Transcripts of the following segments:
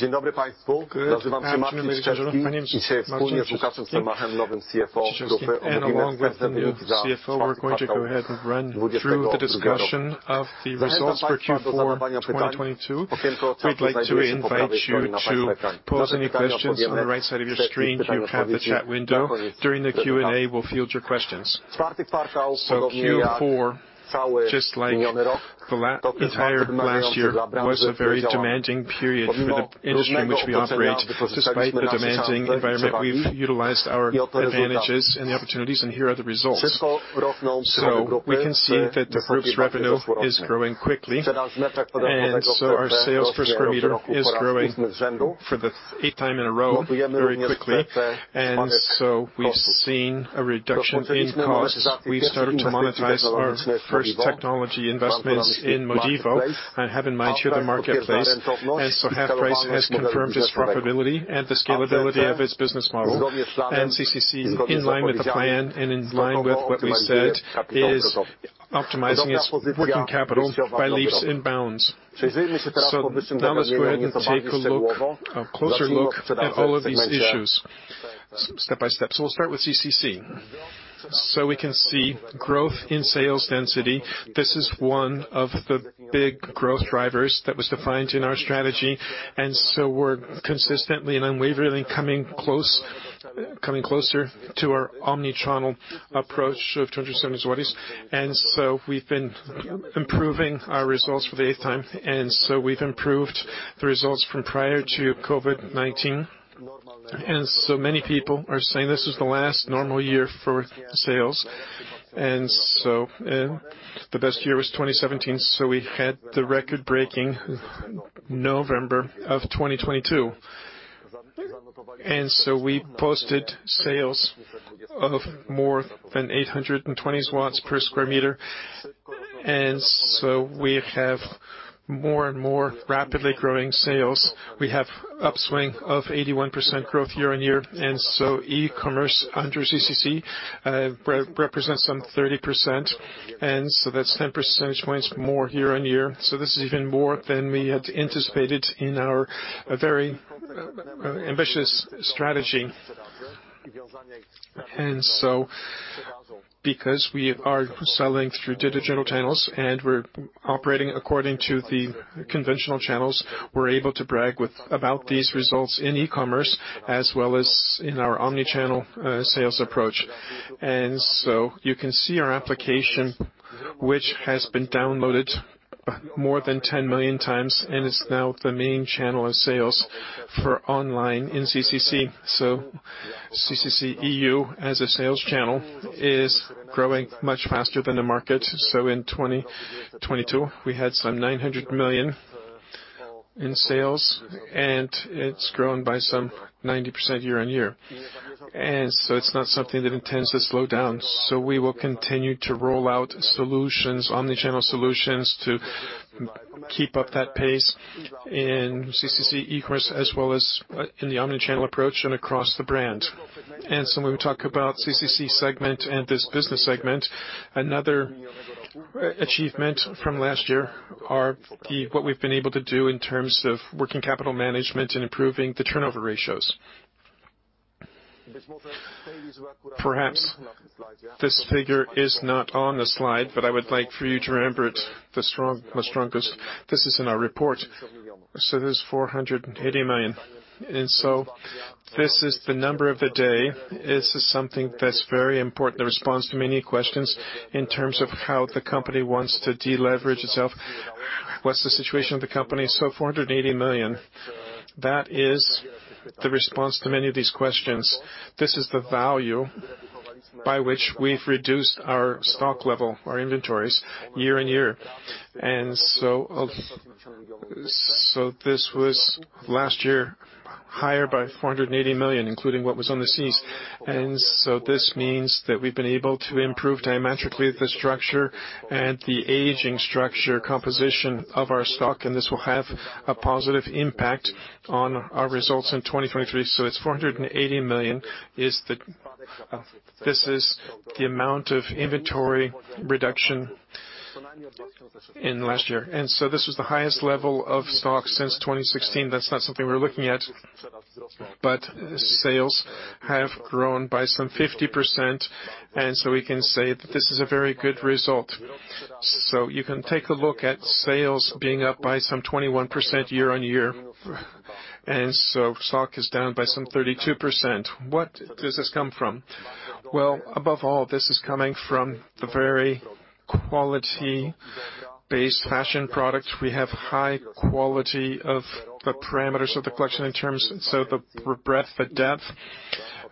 Along with the new CFO, we're going to go ahead and run through the discussion of the results for Q4 of 2022. We'd like to invite you to pose any questions on the right side of your screen, you have the chat window. During the Q&A, we'll field your questions. Q4, just like the entire of last year, was a very demanding period for the industry in which we operate. Despite the demanding environment, we've utilized our advantages and the opportunities, and here are the results. We can see that the Group's revenue is growing quickly, our sales per square meter is growing for the eighth time in a row very quickly. We've seen a reduction in costs. We've started to monetize our first technology investments in Modivo and have in mind here the marketplace. HalfPrice has confirmed its profitability and the scalability of its business model. CCC, in line with the plan and in line with what we said, is optimizing its working capital by leaps and bounds. Now let's go ahead and take a look, a closer look at all of these issues step-by-step. We'll start with CCC. We can see growth in sales density. This is one of the big growth drivers that was defined in our strategy. We're consistently and unwaveringly coming closer to our omni-channel approach of 270. We've been improving our results for the eighth time, and so we've improved the results from prior to COVID-19. Many people are saying this is the last normal year for sales. The best year was 2017, so we had the record-breaking November of 2022. We posted sales of more than 820 per square meter. We have more and more rapidly growing sales. We have upswing of 81% growth year-on-year. E-commerce under CCC re-represents some 30%, that's 10 percentage points more year-on-year. This is even more than we had anticipated in our very ambitious strategy. Because we are selling through digital channels and we're operating according to the conventional channels, we're able to brag about these results in e-commerce as well as in our omni-channel sales approach. You can see our application, which has been downloaded more than 10 million times and is now the main channel of sales for online in CCC. CCC EU, as a sales channel, is growing much faster than the market. In 2022, we had some 900 million in sales, and it's grown by some 90% year-on-year. It's n ot something that intends to slow down. We will continue to roll out solutions, omni-channel solutions to keep up that pace in CCC e-commerce as well as in the omni-channel approach and across the brand. When we talk about CCC segment and this business segment, another achievement from last year what we've been able to do in terms of working capital management and improving the turnover ratios. Perhaps this figure is not on the slide, but I would like for you to remember it, the strongest. This is in our report. There's 480 million, this is the number of the day. This is something that's very important, the response to many questions in terms of how the company wants to deleverage itself. What's the situation of the company? 480 million, that is the response to many of these questions. This is the value by which we've reduced our stock level, our inventories year-on-year. This was last year higher by 480 million, including what was on the seas. This means that we've been able to improve diametrically the structure and the aging structure composition of our stock, and this will have a positive impact on our results in 2023. It's 480 million. This is the amount of inventory reduction in last year. This was the highest level of stocks since 2016. That's not something we're looking at. Sales have grown by some 50%, we can say that this is a very good result. You can take a look at sales being up by some 21% year-on-year, stock is down by some 32%. What does this come from? Well, above all, this is coming from the very quality-based fashion products. We have high-quality of the parameters of the collection in terms of the breadth, the depth.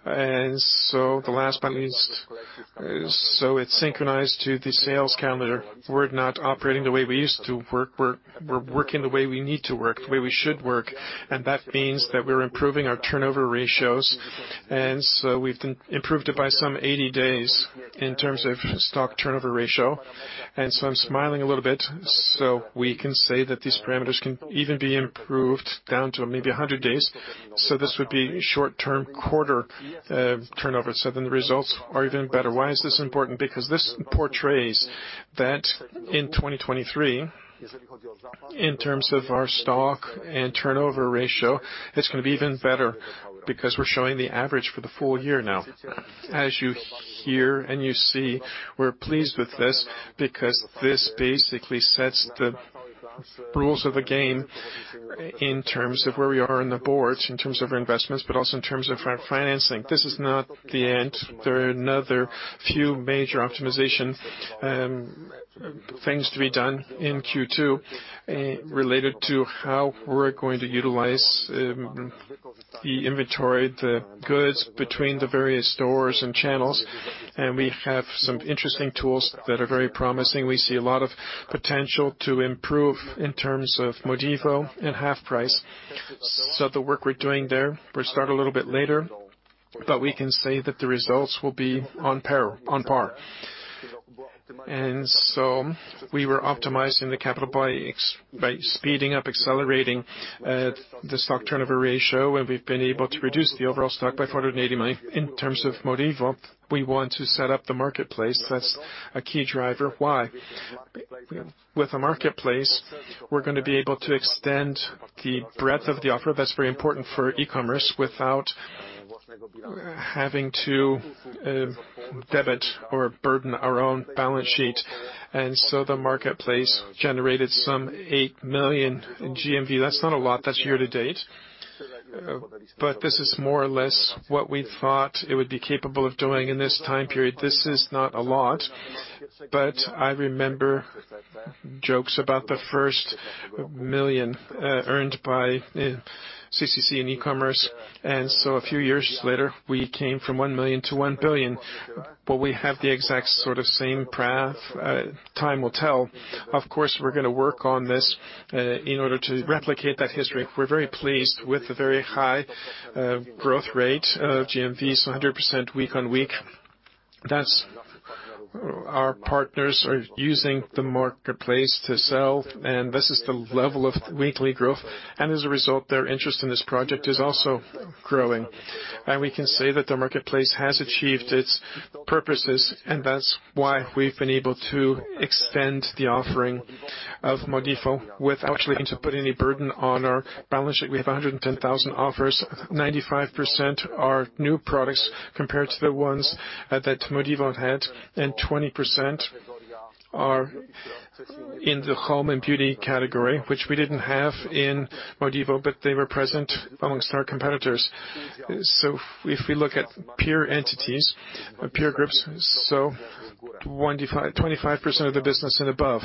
The last but least, so it's synchronized to the sales calendar. We're not operating the way we used to work, we're working the way we need to work, the way we should work, and that means that we're improving our turnover ratios. We've been improved it by some 80 days in terms of stock turnover ratio, and so I'm smiling a little bit, so we can say that these parameters can even be improved down to maybe 100 days. This would be short-term quarter, turnover, so then the results are even better. Why is this important? Because this portrays that in 2023, in terms of our stock and turnover ratio, it's gonna be even better because we're showing the average for the full year now. As you hear, and you see, we're pleased with this because this basically sets the rules of the game in terms of where we are on the boards, in terms of our investments, but also in terms of our financing. This is not the end. There are another few major optimization things to be done in Q2, related to how we're going to utilize the inventory, the goods between the various stores and channels. We have some interesting tools that are very promising. We see a lot of potential to improve in terms of Modivo and HalfPrice. The work we're doing there will start a little bit later, but we can say that the results will be on par. We were optimizing the capital by speeding up, accelerating the stock turnover ratio, and we've been able to reduce the overall stock by 480 million. In terms of Modivo, we want to set up the marketplace. That's a key driver. Why? With a marketplace, we're gonna be able to extend the breadth of the offer. That's very important for e-commerce without having to debit or burden our own balance sheet. The marketplace generated some 8 million in GMV. That's not a lot. That's year-to-date. But this is more or less what we thought it would be capable of doing in this time period. This is not a lot, but I remember jokes about the first 1 million earned by CCC in e-commerce. A few years later, we came from 1 million to 1 billion, but we have the exact sort of same path. Time will tell. Of course, we're gonna work on this in order to replicate that history. We're very pleased with the very high growth rate of GMV, so 100% week-on week. That's our partners are using the marketplace to sell, and this is the level of weekly growth. As a result, their interest in this project is also growing. We can say that the marketplace has achieved its purposes, and that's why we've been able to extend the offering of Modivo without actually having to put any burden on our balance sheet. We have 110,000 offers. 95% are new products compared to the ones that Modivo had, and 20% are in the home and beauty category, which we didn't have in Modivo, but they were present amongst our competitors. If we look at peer entities or peer groups, 25%, 25% of the business and above.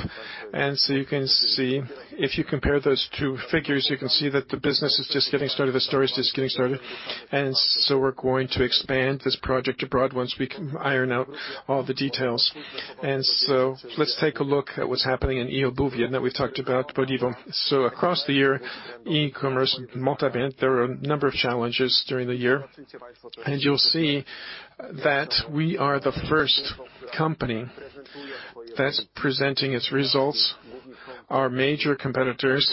You can see, if you compare those two figures, you can see that the business is just getting started, the story is just getting started. We're going to expand this project abroad once we can iron out all the details. Let's take a look at what's happening in eobuwie.pl that we've talked about, Modivo. Across the year, e-commerce, multi-vend, there were a number of challenges during the year. You'll see that we are the first company that's presenting its results. Our major competitors,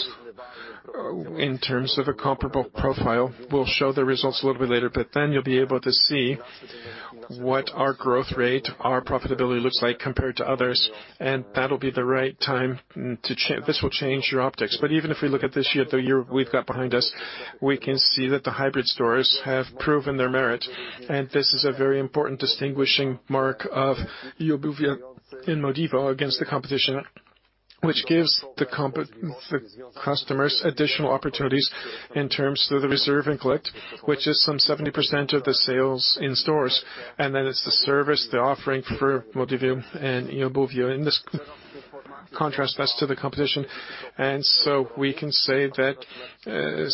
in terms of a comparable profile, will show the results a little bit later, but then you'll be able to see what our growth rate, our profitability looks like compared to others. That'll be the right time to this will change your optics. Even if we look at this year, the year we've got behind us, we can see that the hybrid stores have proven their merit. This is a very important distinguishing mark of eobuwie.pl in Modivo against the competition, which gives the customers additional opportunities in terms of the reserve and collect, which is some 70% of the sales in stores. Then it's the service, the offering for Modivo and eobuwie.pl. In this contrast, that's to the competition. We can say that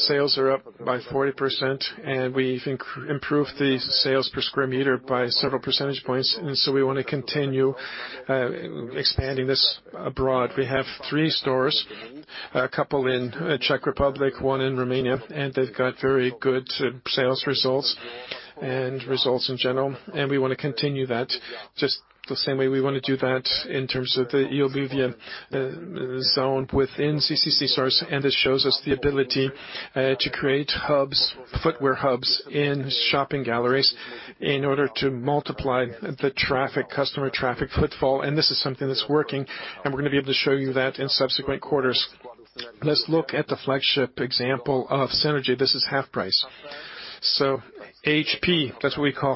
sales are up by 40%, and we've improved the sales per square meter by several percentage points. We wanna continue expanding this abroad. We have three stores, a couple in Czech Republic, one in Romania, and they've got very good sales results and results in general. We wanna continue that just the same way we wanna do that in terms of the eobuwie.pl zone within CCC stores. This shows us the ability to create hubs, footwear hubs in shopping galleries in order to multiply the traffic, customer traffic footfall. This is something that's working, and we're gonna be able to show you that in subsequent quarters. Let's look at the flagship example of synergy. This is HalfPrice. HP, that's what we call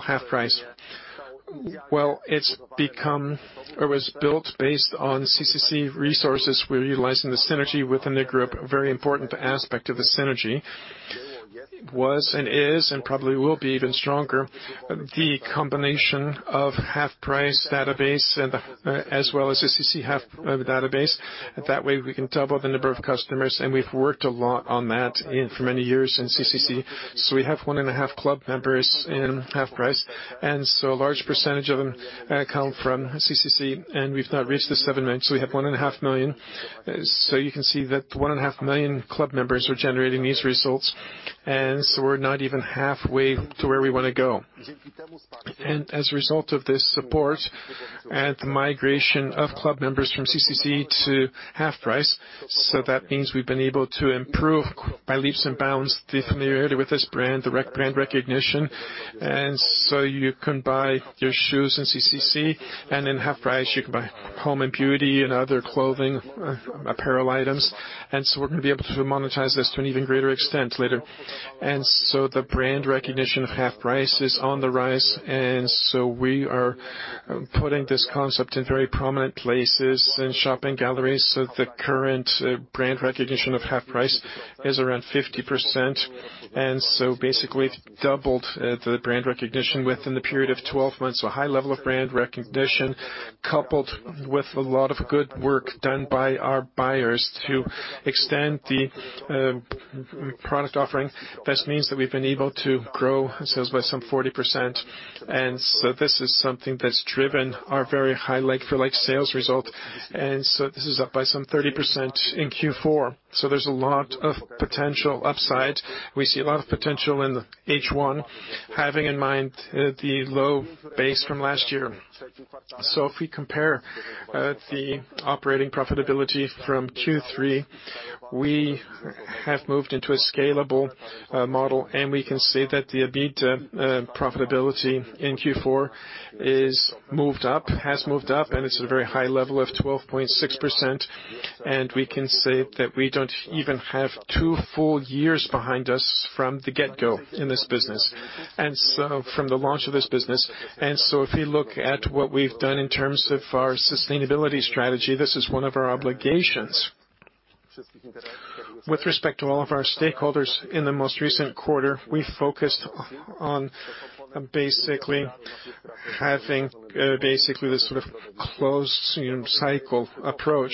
HalfPrice. It's become or was built based on CCC resources. We're utilizing the synergy within the Group, a very important aspect of the synergy. Was and is, and probably will be even stronger. The combination of HalfPrice database and the, as well as the CCC half, database. That way we can double the number of customers, and we've worked a lot on that in, for many years in CCC. We have 1.5 million club members in HalfPrice, a large percentage of them come from CCC, and we've not reached the 7 million. We have 1.5 million. You can see that 1.5 million club members are generating these results, we're not even halfway to where we wanna go. As a result of this support and the migration of club members from CCC to HalfPrice, we've been able to improve by leaps and bounds the familiarity with this brand recognition. You can buy your shoes in CCC, and in HalfPrice you can buy home and beauty and other clothing, apparel items. We're gonna be able to monetize this to an even greater extent later. The brand recognition of HalfPrice is on the rise, we are putting this concept in very prominent places in shopping galleries. The current brand recognition of HalfPrice is around 50%. Basically we've doubled the brand recognition within the period of 12 months. A high level of brand recognition coupled with a lot of good work done by our buyers to extend the product offering. This means that we've been able to grow sales by some 40%. This is something that's driven our very high like-for-like sales result. This is up by some 30% in Q4. There's a lot of potential upside. We see a lot of potential in the H1, having in mind the low base from last year. If we compare the operating profitability from Q3, we have moved into a scalable model. We can say that the EBITDA profitability in Q4 has moved up, and it's at a very high level of 12.6%. We can say that we don't even have two full years behind us from the get-go in this business. From the launch of this business. If we look at what we've done in terms of our sustainability strategy, this is one of our obligations. With respect to all of our stakeholders, in the most recent quarter, we focused on basically having this sort of closed-cycle approach,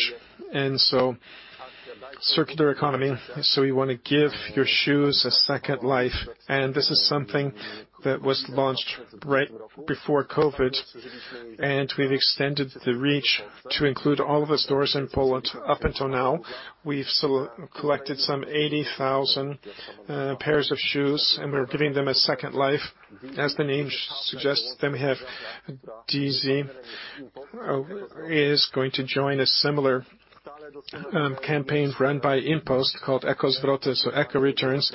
circular economy. You wanna give your shoes a second life, and this is something that was launched right before COVID-19, and we've extended the reach to include all of the stores in Poland. Up until now, we've collected some 80,000 pairs of shoes, and we're giving them a second life. As the name suggests, them have DeeZee is going to join a similar campaign run by InPost called Eko Zwroty, so Eco Returns.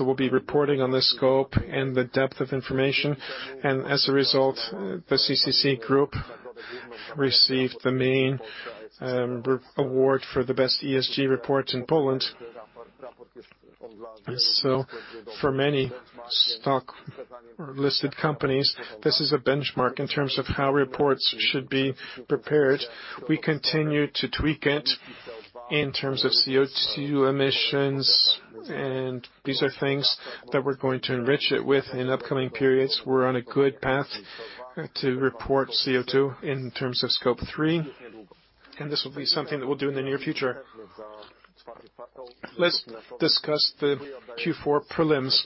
We'll be reporting on the scope and the depth of information. As a result, the CCC Group received the main award for the best ESG report in Poland. For many stock or listed companies, this is a benchmark in terms of how reports should be prepared. We continue to tweak it in terms of CO2 emissions. These are things that we're going to enrich it with in upcoming periods. We're on a good path to report CO2 in terms of Scope 3. This will be something that we'll do in the near future. Let's discuss the Q4 prelims.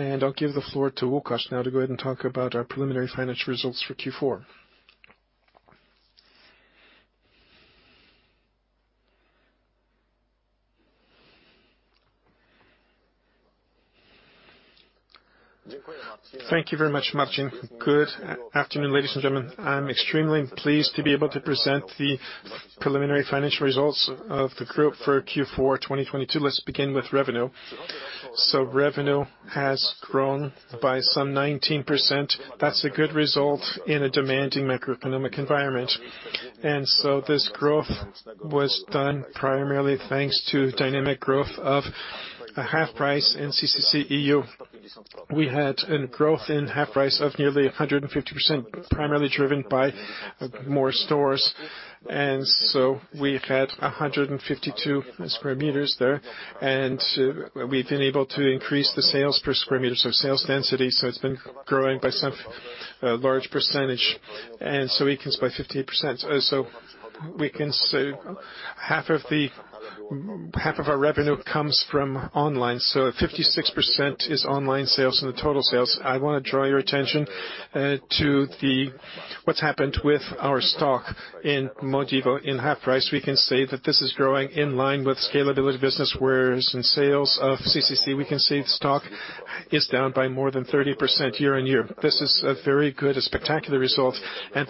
I'll give the floor to Łukasz now to go ahead and talk about our preliminary financial results for Q4. Thank you very much, Marcin. Good afternoon, ladies and gentlemen. I'm extremely pleased to be able to present the preliminary financial results of the Group for Q4 2022. Let's begin with revenue. Revenue has grown by some 19%. That's a good result in a demanding macroeconomic environment. This growth was done primarily thanks to dynamic growth of HalfPrice and CCC EU. We had a growth in HalfPrice of nearly 150%, primarily driven by more stores. We've had 152 square meters there, and we've been able to increase the sales per square meter, so sales density. It's been growing by 58%. We can say half of our revenue comes from online. 56% is online sales. The total sales, I wanna draw your attention to what's happened with our stock in Modivo. In HalfPrice, we can say that this is growing in line with scalability of business, whereas in sales of CCC, we can see the stock is down by more than 30% year-on-year. This is a very good, a spectacular result,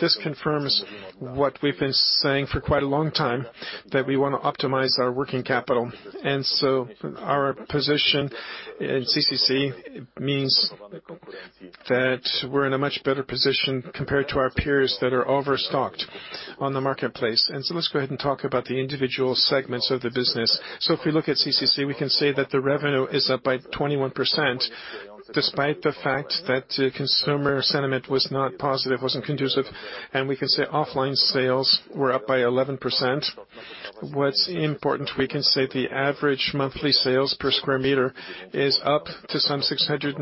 this confirms what we've been saying for quite a long time, that we wanna optimize our working capital. Our position in CCC means that we're in a much better position compared to our peers that are overstocked on the marketplace. Let's go ahead and talk about the individual segments of the business. If we look at CCC, we can say that the revenue is up by 21% despite the fact that consumer sentiment was not positive, wasn't conducive, and we can say offline sales were up by 11%. What's important, we can say the average monthly sales per square meter is up to some 700.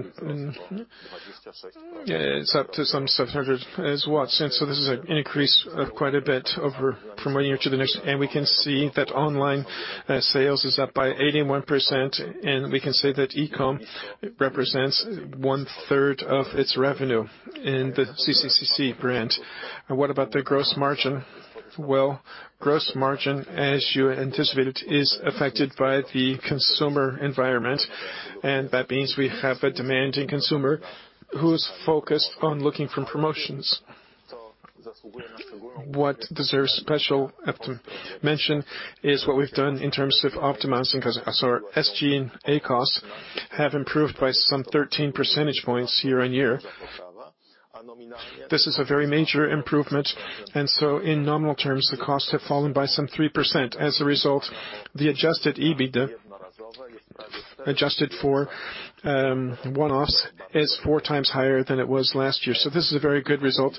This is an increase of quite a bit over from one year to the next. We can see that online sales is up by 81%, and we can say that e-com represents 1/3 of its revenue in the CCC brand. What about the gross margin? Well, gross margin, as you anticipated, is affected by the consumer environment, and that means we have a demanding consumer who's focused on looking for promotions. What deserves special mention is what we've done in terms of optimizing 'cause our SG&A costs have improved by some 13 percentage points year-on-year. This is a very major improvement. In nominal terms, the costs have fallen by some 3%. As a result, the adjusted EBITDA, adjusted for one-offs, is 4x higher than it was last year. This is a very good result.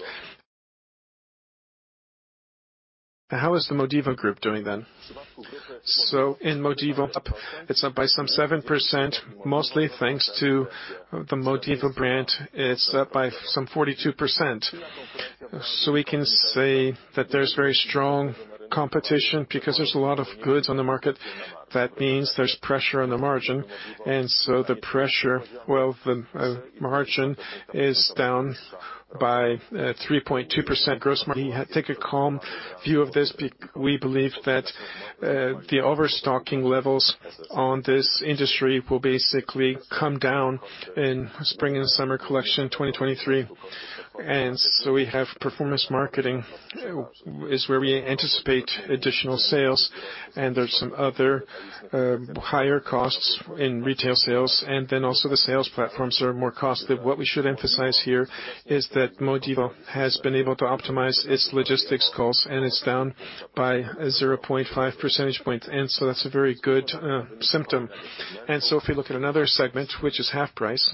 How is the Modivo Group doing? In Modivo, it's up by some 7%, mostly thanks to the Modivo brand. It's up by some 42%. We can say that there's very strong competition because there's a lot of goods on the market. That means there's pressure on the margin. The pressure, well, the margin is down by 3.2%. Take a calm view of this. We believe that the overstocking levels on this industry will basically come down in spring and summer collection 2023. We have performance marketing is where we anticipate additional sales, and there's some other higher costs in retail sales, and then also the sales platforms are more costly. What we should emphasize here is that Modivo has been able to optimize its logistics costs, it's down by 0.5 percentage points. That's a very good symptom. If we look at another segment, which is HalfPrice.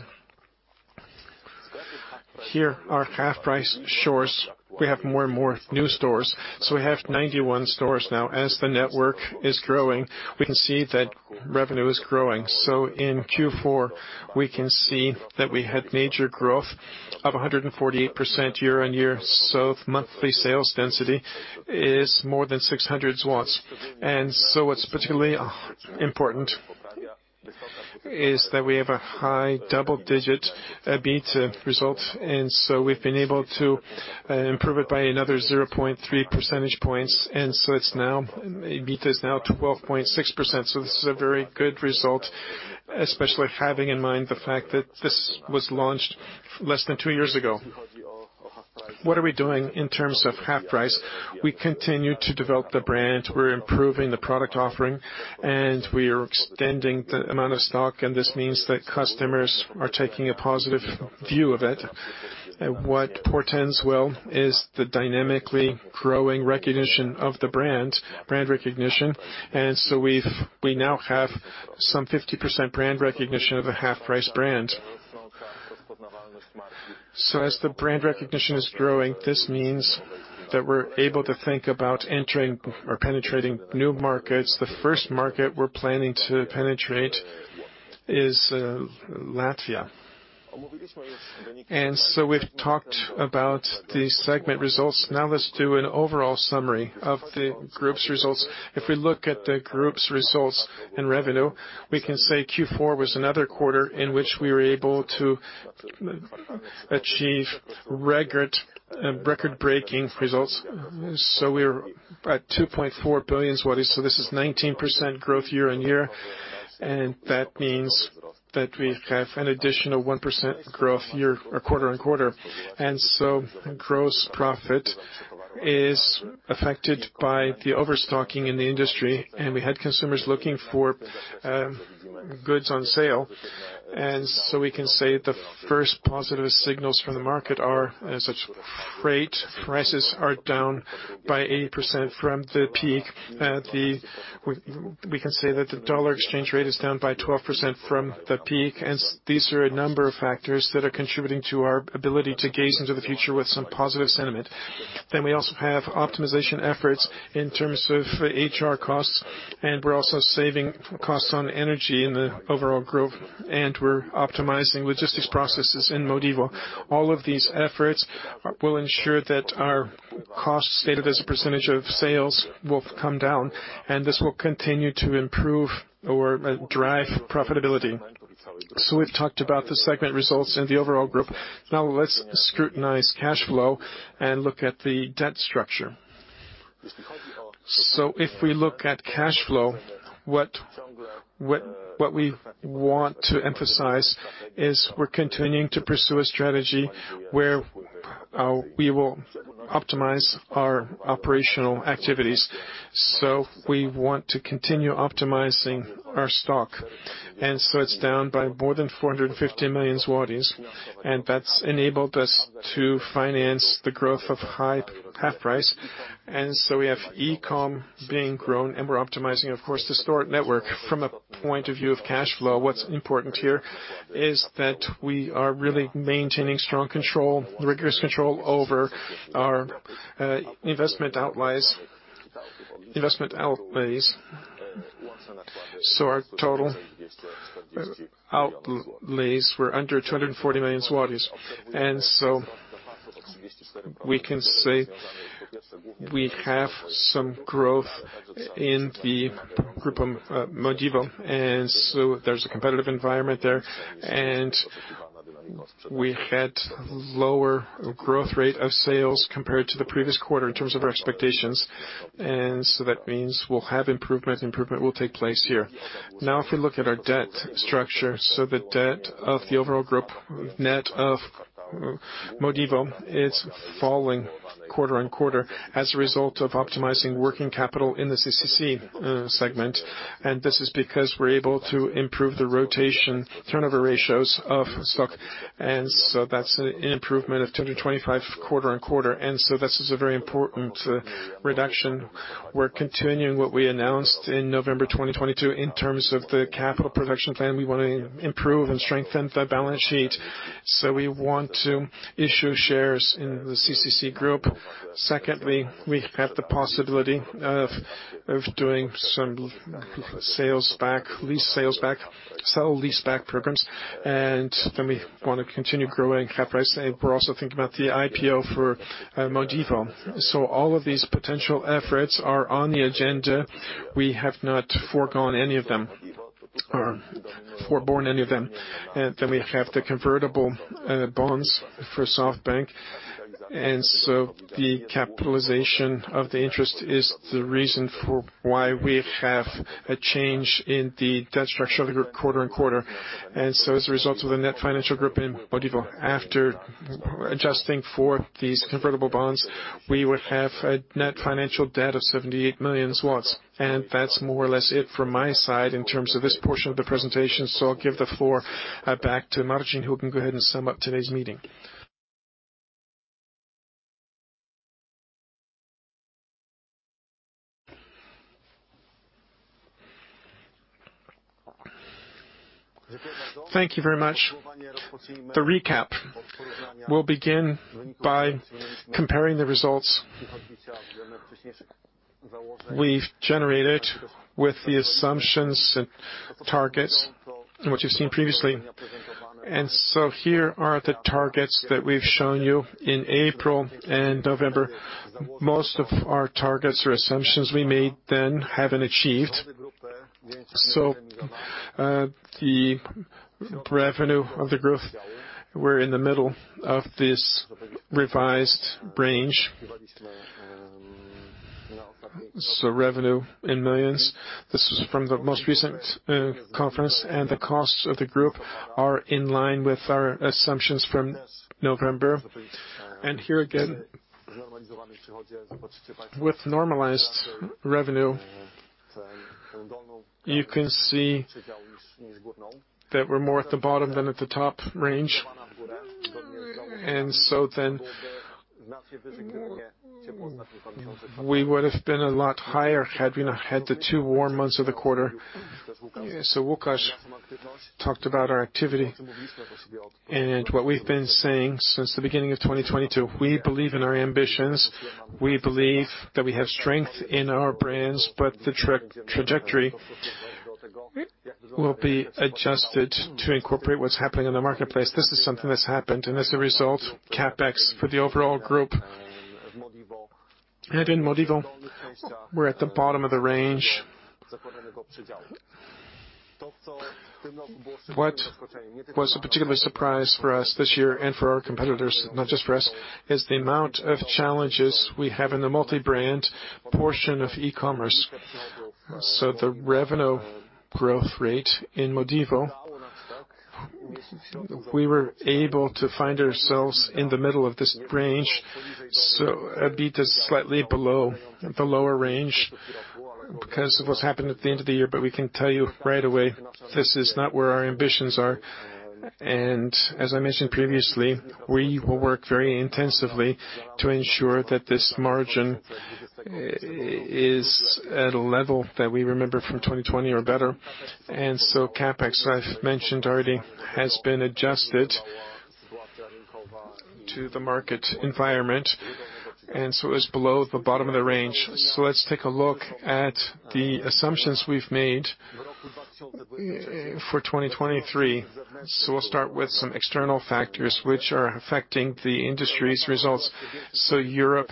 Here are HalfPrice stores. We have more and more new stores. We have 91 stores now. As the network is growing, we can see that revenue is growing. In Q4, we can see that we had major growth of 148% year-on-year. Monthly sales density is more than 600. What's particularly important is that we have a high double-digit EBITDA results. We've been able to improve it by another 0.3 percentage points. EBITDA is now 12.6%. This is a very good result, especially having in mind the fact that this was launched less than two years ago. What are we doing in terms of HalfPrice? We continue to develop the brand. We're improving the product offering, and we are extending the amount of stock, and this means that customers are taking a positive view of it. What portends well is the dynamically growing recognition of the brand recognition. We now have some 50% brand recognition of the HalfPrice brand. As the brand recognition is growing, this means that we're able to think about entering or penetrating new markets. The first market we're planning to penetrate is Latvia. We've talked about the segment results. Now let's do an overall summary of the Group's results. If we look at the Group's results and revenue, we can say Q4 was another quarter in which we were able to achieve record-breaking results. We're at 2.4 billion. This is 19% growth year-on-year, and that means that we have an additional 1% growth year or quarter-on-quarter. Gross profit is affected by the overstocking in the industry, and we had consumers looking for goods on sale. We can say the first positive signals from the market are as such, freight prices are down by 80% from the peak. We can say that the dollar exchange rate is down by 12% from the peak. These are a number of factors that are contributing to our ability to gaze into the future with some positive sentiment. We also have optimization efforts in terms of HR costs, and we're also saving costs on energy in the overall group, and we're optimizing logistics processes in Modivo. All of these efforts will ensure that our costs stated as a percentage of sales will come down, and this will continue to improve or drive profitability. We've talked about the segment results in the overall group. Now let's scrutinize cash flow and look at the debt structure. If we look at cash flow, what we want to emphasize is we're continuing to pursue a strategy where we will optimize our operational activities. We want to continue optimizing our stock. It's down by more than 450 million zlotys, and that's enabled us to finance the growth of HalfPrice. We have e-com being grown and we're optimizing, of course, the store network. From a point of view of cash flow, what's important here is that we are really maintaining strong control, rigorous control over our investment outlays. Our total outlays were under 240 million zlotys. We can say we have some growth in the Group, Modivo. There's a competitive environment there, and we had lower growth rate of sales compared to the previous quarter in terms of our expectations. That means we'll have improvement. Improvement will take place here. Now, if we look at our debt structure, so the debt of the overall group net of Modivo, it's falling quarter-on-quarter as a result of optimizing working capital in the CCC segment. This is because we're able to improve the rotation turnover ratios of stock. That's an improvement of 225 quarter-on-quarter. This is a very important reduction. We're continuing what we announced in November 2022 in terms of the capital protection plan. We wanna improve and strengthen the balance sheet. We want to issue shares in the CCC Group. Secondly, we have the possibility of doing some sales back, lease sales back, sale-leaseback programs. We wanna continue growing cap rise. We're also thinking about the IPO for Modivo. All of these potential efforts are on the agenda. We have not foregone any of them or forborne any of them. We have the convertible bonds for SoftBank. The capitalization of the interest is the reason for why we have a change in the debt structure of the Group quarter-over-quarter. As a result of the net financial group in Modivo, after adjusting for these convertible bonds, we would have a net financial debt of 78 million. That's more or less it from my side in terms of this portion of the presentation. I'll give the floor back to Marcin, who can go ahead and sum up today's meeting. Thank you very much. The recap will begin by comparing the results we've generated with the assumptions and targets, what you've seen previously. Here are the targets that we've shown you in April and November. Most of our targets or assumptions we made then haven't achieved. The revenue of the growth, we're in the middle of this revised range. Revenue in millions. This is from the most recent conference, and the costs of the Group are in line with our assumptions from November. Here again, with normalized revenue, you can see that we're more at the bottom than at the top range. We would have been a lot higher had we not had the two warm months of the quarter. Łukasz talked about our activity and what we've been saying since the beginning of 2022. We believe in our ambitions. We believe that we have strength in our brands, but the trajectory will be adjusted to incorporate what's happening in the marketplace. This is something that's happened. As a result, CapEx for the overall group and in Modivo, we're at the bottom of the range. What was a particular surprise for us this year and for our competitors, not just for us, is the amount of challenges we have in the multi-brand portion of e-commerce. The revenue growth rate in Modivo, we were able to find ourselves in the middle of this range. EBITDA is slightly below the lower-range because of what's happened at the end of the year. We can tell you right away, this is not where our ambitions are. As I mentioned previously, we will work very intensively to ensure that this margin is at a level that we remember from 2020 or better. CapEx, I've mentioned already, has been adjusted to the market environment, it's below the bottom of the range. Let's take a look at the assumptions we've made for 2023. We'll start with some external factors which are affecting the industry's results. Europe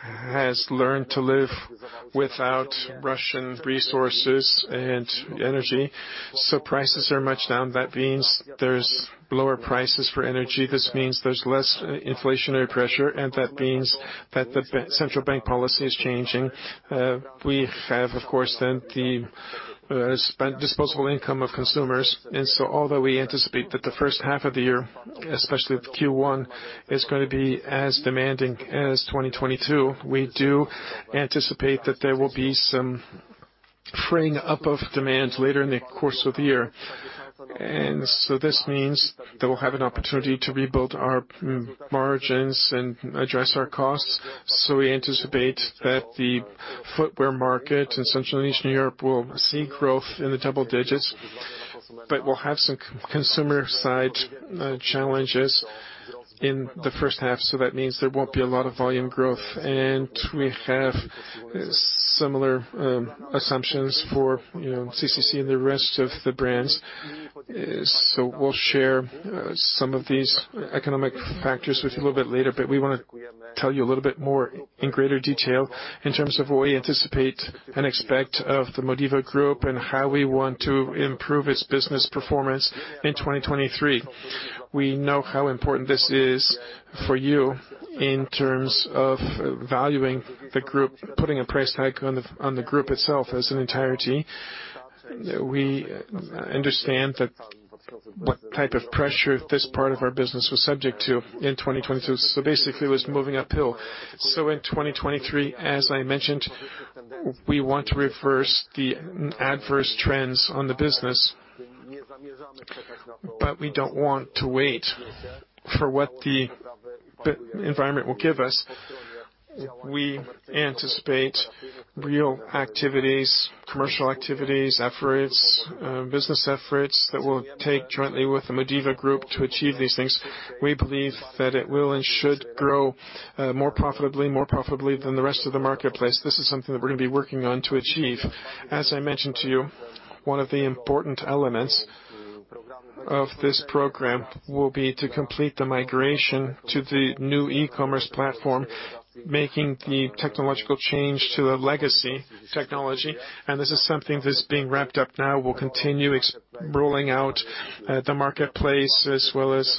has learned to live without Russian resources and energy. Prices are much down. That means there's lower prices for energy. This means there's less inflationary pressure, and that means that the central bank policy is changing. We have, of course, then the disposable income of consumers. Although we anticipate that the first half of the year, especially the Q1, is gonna be as demanding as 2022, we do anticipate that there will be some freeing up of demand later in the course of the year. This means that we'll have an opportunity to rebuild our margins and address our costs. We anticipate that the footwear market in Central and Eastern Europe will see growth in the double digits. We'll have some consumer-side challenges in the first half, so that means there won't be a lot of volume growth. We have similar assumptions for, you know, CCC and the rest of the brands. We'll share some of these economic factors with you a little bit later, but we wanna tell you a little bit more in greater detail in terms of what we anticipate and expect of the Modivo Group and how we want to improve its business performance in 2023. We know how important this is for you in terms of valuing the Group, putting a price tag on the Group itself as an entirety. We understand that what type of pressure this part of our business was subject to in 2022, Basically it was moving uphill. In 2023, as I mentioned, we want to reverse the adverse trends on the business. We don't want to wait for what the environment will give us. We anticipate real activities, commercial activities, efforts, business efforts that we'll take jointly with the Modivo Group to achieve these things. We believe that it will and should grow more profitably than the rest of the marketplace. This is something that we're gonna be working on to achieve. As I mentioned to you, one of the important elements of this program will be to complete the migration to the new e-commerce platform, making the technological change to the legacy technology. This is something that's being wrapped up now. We'll continue rolling out the marketplace as well as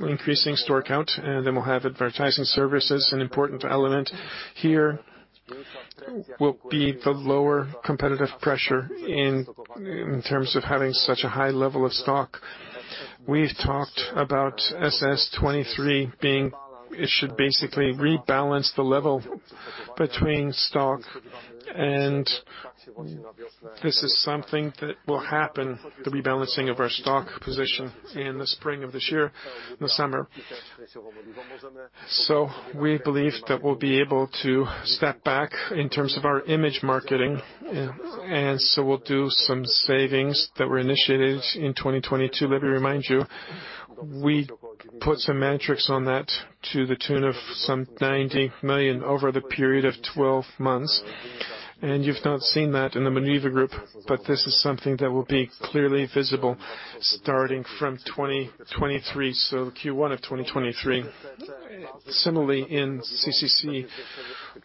increasing store count, and then we'll have advertising services. An important element here will be the lower competitive pressure in terms of having such a high level of stock. We've talked about SS2023 being... It should basically rebalance the level between stock and... This is something that will happen, the rebalancing of our stock position in the spring of this year, in the summer. We believe that we'll be able to step back in terms of our image marketing. We'll do some savings that were initiated in 2022. Let me remind you, we put some metrics on that to the tune of some 90 million over the period of 12 months. You've not seen that in the Modivo Group, but this is something that will be clearly visible starting from 2023, so Q1 of 2023. Similarly, in CCC,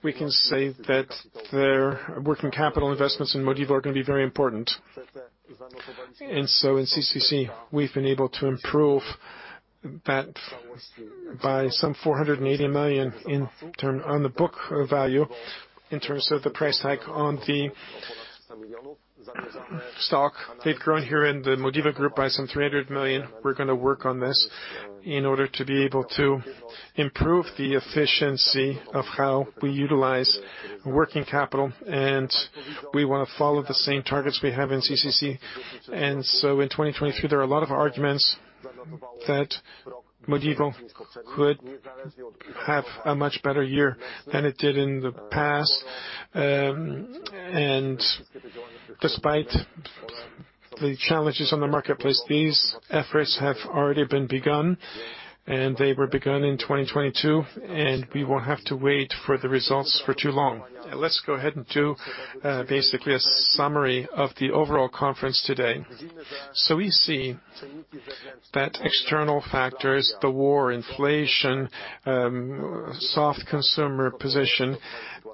we can say that their working capital investments in Modivo are gonna be very important. In CCC, we've been able to improve that by some 480 million in turn on the book value in terms of the price tag on the stock. They've grown here in the Modivo Group by some 300 million. We're gonna work on this in order to be able to improve the efficiency of how we utilize working capital, and we wanna follow the same targets we have in CCC. In 2023, there are a lot of arguments that Modivo could have a much better year than it did in the past. Despite the challenges on the marketplace, these efforts have already been begun, and they were begun in 2022, and we won't have to wait for the results for too long. Let's go ahead and do basically a summary of the overall conference today. We see that external factors, the war, inflation, soft-consumer position,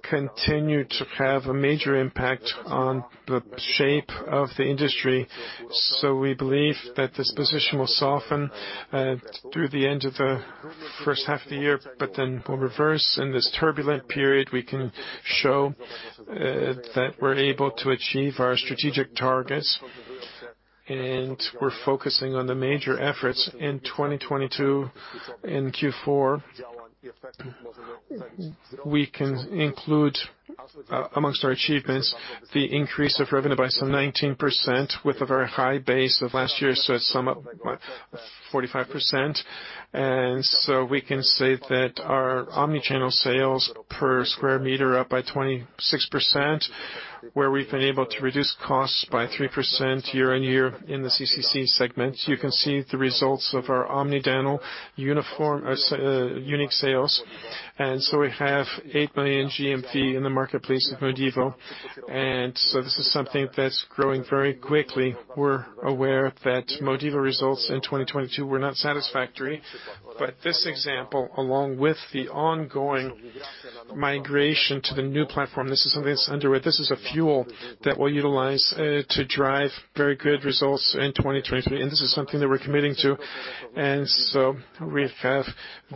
continue to have a major impact on the shape of the industry. We believe that this position will soften through the end of the first half of the year, but then we'll reverse. In this turbulent period, we can show that we're able to achieve our strategic targets, and we're focusing on the major efforts in 2022. In Q4, we can include amongst our achievements, the increase of revenue by some 19% with a very high base of last year, so it's 45%. We can say that our omni-channel sales per square meter are up by 26%, where we've been able to reduce costs by 3% year-on-year in the CCC segment. You can see the results of our omni-channel uniform unique sales. We have 8 million GMV in the marketplace of Modivo. This is something that's growing very quickly. We're aware that Modivo results in 2022 were not satisfactory. This example, along with the ongoing migration to the new platform, this is something that's underway. This is a fuel that we'll utilize to drive very good results in 2023, this is something that we're committing to. We have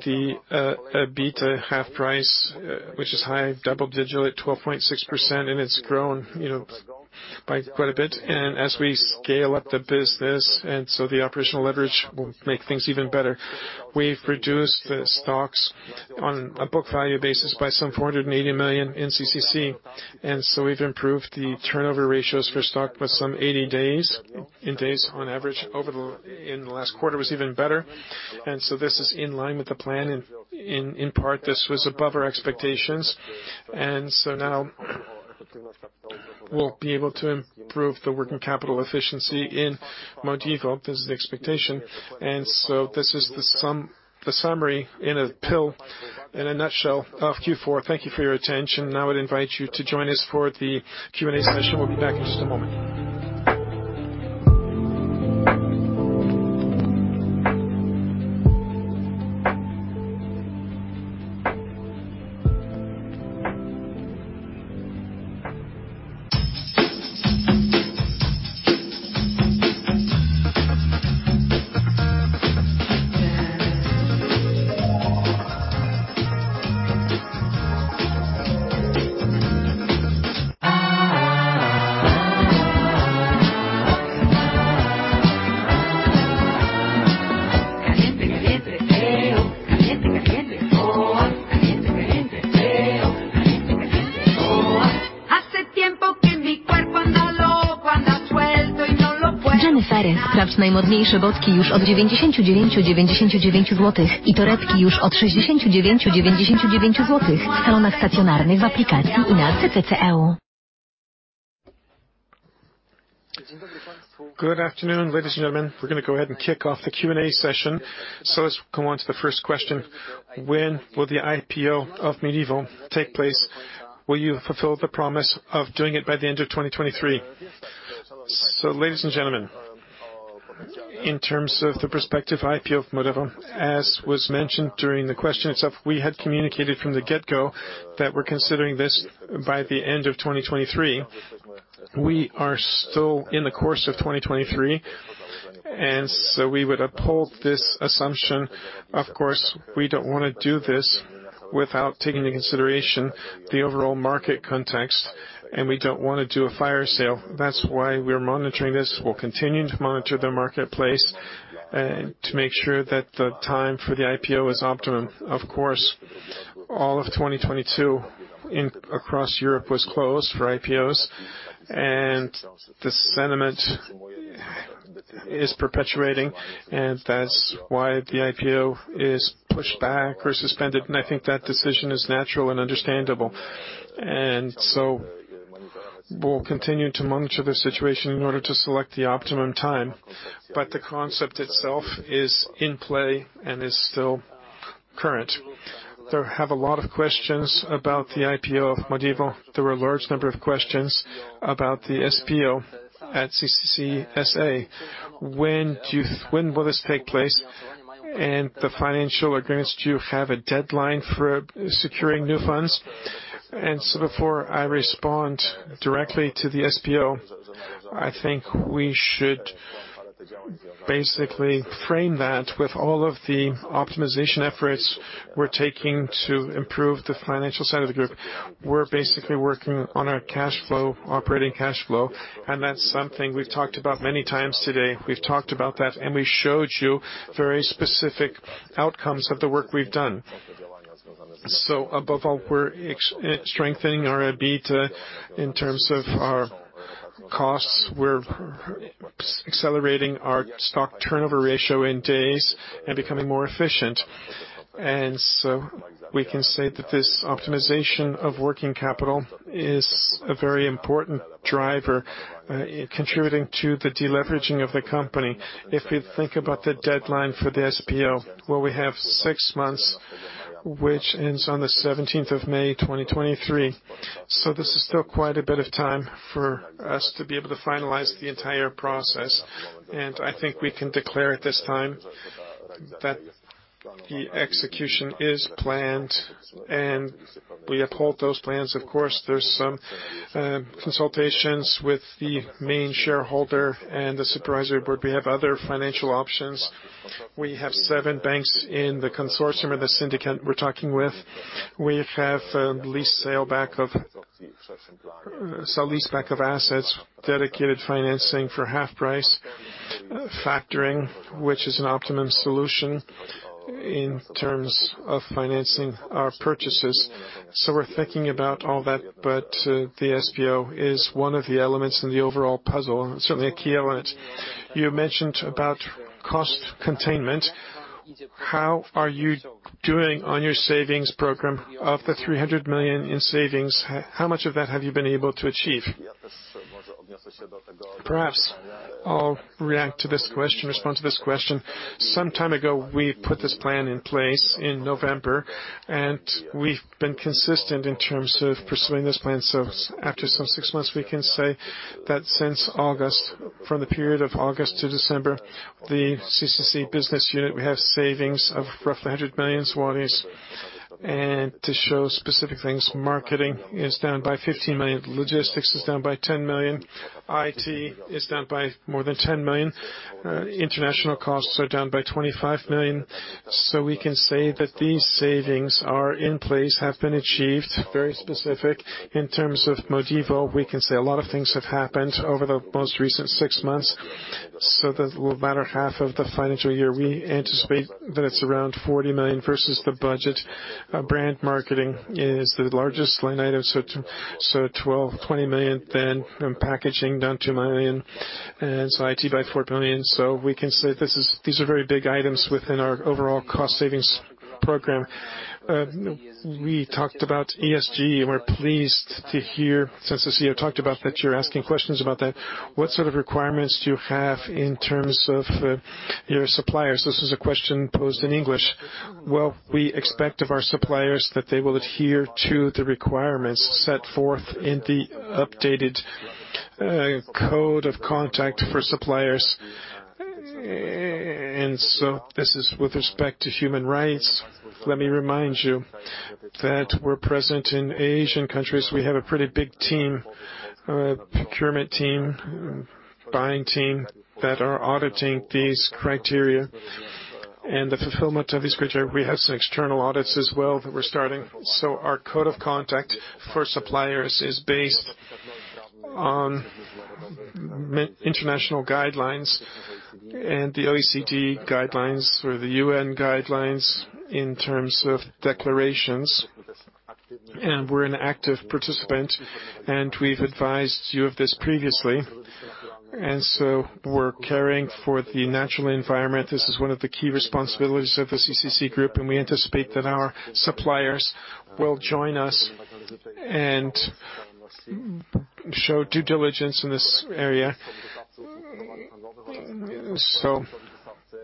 the EBITDA HalfPrice, which is high double-digit at 12.6%, and it's grown, you know, quite a bit. As we scale up the business, the operational leverage will make things even better. We've reduced the stocks on a book-value basis by some 480 million in CCC, we've improved the turnover ratios for stock by some 80 days on average. In the last quarter was even better. This is in line with the plan, in part, this was above our expectations. Now we'll be able to improve the working capital efficiency in Modivo. This is the expectation. This is the summary in a pill, in a nutshell of Q4. Thank you for your attention. I'd invite you to join us for the Q&A session. We'll be back in just a moment. Good afternoon, ladies and gentlemen. We're gonna go ahead and kick off the Q&A session. Let's go on to the first question. When will the IPO of Modivo take place? Will you fulfill the promise of doing it by the end of 2023? Ladies and gentlemen, in terms of the prospective IPO of Modivo, as was mentioned during the question itself, we had communicated from the get-go that we're considering this by the end of 2023. We are still in the course of 2023. We would uphold this assumption. Of course, we don't wanna do this without taking into consideration the overall market context, and we don't wanna do a fire sale. That's why we're monitoring this. We'll continue to monitor the marketplace to make sure that the time for the IPO is optimum. Of course, all of 2022 across Europe was closed for IPOs, the sentiment is perpetuating, that's why the IPO is pushed back or suspended, I think that decision is natural and understandable. We'll continue to monitor the situation in order to select the optimum time. The concept itself is in play and is still current. There have a lot of questions about the IPO of Modivo. There are a large number of questions about the SPO at CCC S.A. When do you When will this take place? The financial agreements, do you have a deadline for securing new funds? Before I respond directly to the SPO, I think we should basically frame that with all of the optimization efforts we're taking to improve the financial side of the Group. We're basically working on our cash flow, operating cash flow, and that's something we've talked about many times today. We've talked about that, and we showed you very specific outcomes of the work we've done. Above all, we're strengthening our EBITDA in terms of our costs. We're accelerating our stock turnover ratio in days and becoming more efficient. We can say that this optimization of working capital is a very important driver contributing to the deleveraging of the company. If we think about the deadline for the SPO, well, we have six months, which ends on the 17th of May, 2023. This is still quite a bit of time for us to be able to finalize the entire process, and I think we can declare at this time that the execution is planned, and we uphold those plans. Of course, there's some consultations with the main shareholder and the supervisory board. We have other financial options. We have seven banks in the consortium and the syndicate we're talking with. We have sale-leaseback of assets, dedicated financing for HalfPrice, factoring, which is an optimum solution in terms of financing our purchases. We're thinking about all that, but the SPO is one of the elements in the overall puzzle, and certainly a key element. You mentioned about cost containment. How are you doing on your savings program? Of the 300 million in savings, how much of that have you been able to achieve? Perhaps I'll react to this question, respond to this question. Some time ago, we put this plan in place in November, we've been consistent in terms of pursuing this plan. After some six months, we can say that since August, from the period of August to December, the CCC business unit, we have savings of roughly 100 million. To show specific things, marketing is down by 15 million, logistics is down by 10 million, IT is down by more than 10 million. International costs are down by 25 million. We can say that these savings are in place, have been achieved, very specific. In terms of Modivo, we can say a lot of things have happened over the most recent six months. The latter half of the financial year, we anticipate that it's around PLN 40 million versus the budget. Brand marketing is the largest line item, PLN 20 million, then from packaging down PLN 2 million, IT by PLN 4 million. We can say these are very big items within our overall cost savings program. We talked about ESG. We're pleased to hear, since the CEO talked about that you're asking questions about that. What sort of requirements do you have in terms of your suppliers? This is a question posed in English. Well, we expect of our suppliers that they will adhere to the requirements set forth in the updated Code of Conduct for suppliers. This is with respect to human rights. Let me remind you that we're present in Asian countries. We have a pretty big team, procurement team, buying team, that are auditing these criteria, and the fulfillment of these criteria. We have some external audits as well that we're starting. Our Code of Conduct for suppliers is based on international guidelines and the OECD guidelines or the UN guidelines in terms of declarations. We're an active participant, and we've advised you of this previously. We're caring for the natural environment. This is one of the key responsibilities of the CCC Group, and we anticipate that our suppliers will join us and show due diligence in this area.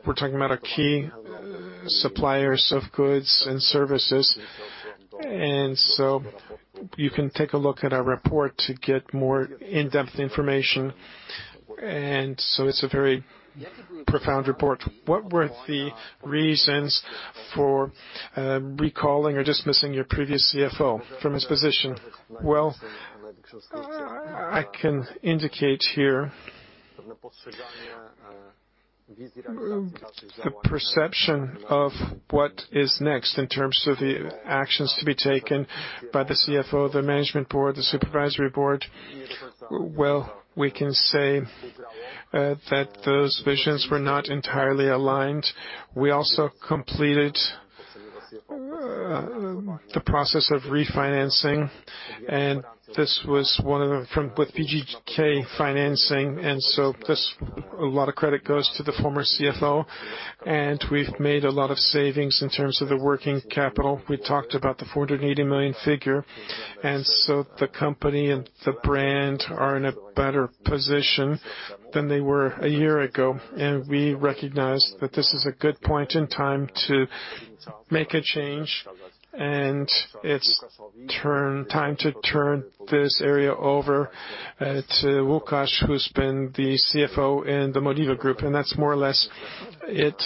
We're talking about our key suppliers of goods and services, and so you can take a look at our report to get more in-depth information. It's a very profound report. What were the reasons for recalling or dismissing your previous CFO from his position? Well, I can indicate here the perception of what is next in terms of the actions to be taken by the CFO, the management board, the supervisory board. Well, we can say that those visions were not entirely aligned. We also completed the process of refinancing, and this was one of the... with BGK financing. A lot of credit goes to the former CFO, and we've made a lot of savings in terms of the working capital. We talked about the 480 million figure. The company and the brand are in a better position than they were a year ago. We recognize that this is a good point in time to make a change, and it's time to turn this area over to Łukasz, who's been the CFO in the Modivo Group. That's more or less it.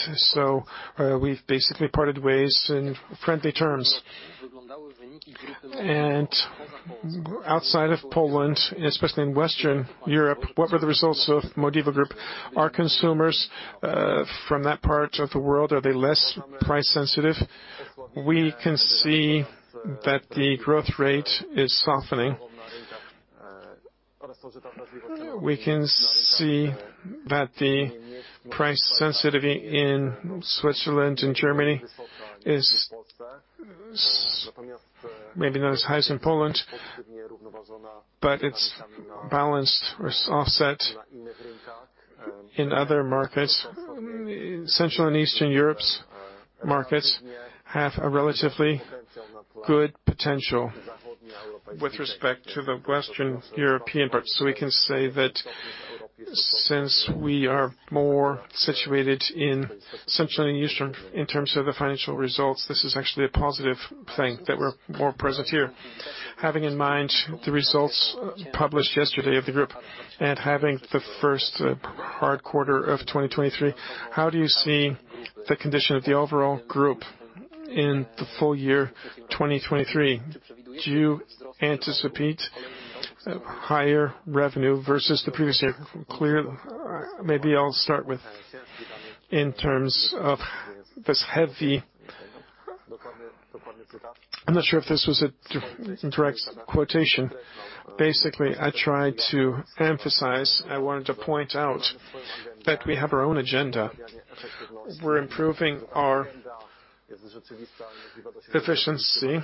We've basically parted ways in friendly terms. Outside of Poland, especially in Western Europe, what were the results of Modivo Group? Are consumers from that part of the world, are they less price sensitive? We can see that the growth rate is softening. We can see that the price sensitivity in Switzerland and Germany is maybe not as high as in Poland, but it's balanced or offset in other markets. Central and Eastern Europe's markets have a relatively good potential with respect to the Western European parts. We can say that since we are more situated in Central and Eastern in terms of the financial results, this is actually a positive thing that we're more present here. Having in mind the results published yesterday of the Group and having the first hard quarter of 2023, how do you see the condition of the overall group in the full year, 2023? Do you anticipate higher revenue versus the previous year? Clear. Maybe I'll start with in terms of this heavy... I'm not sure if this was a direct quotation. Basically, I tried to emphasize, I wanted to point out that we have our own agenda. We're improving our efficiency,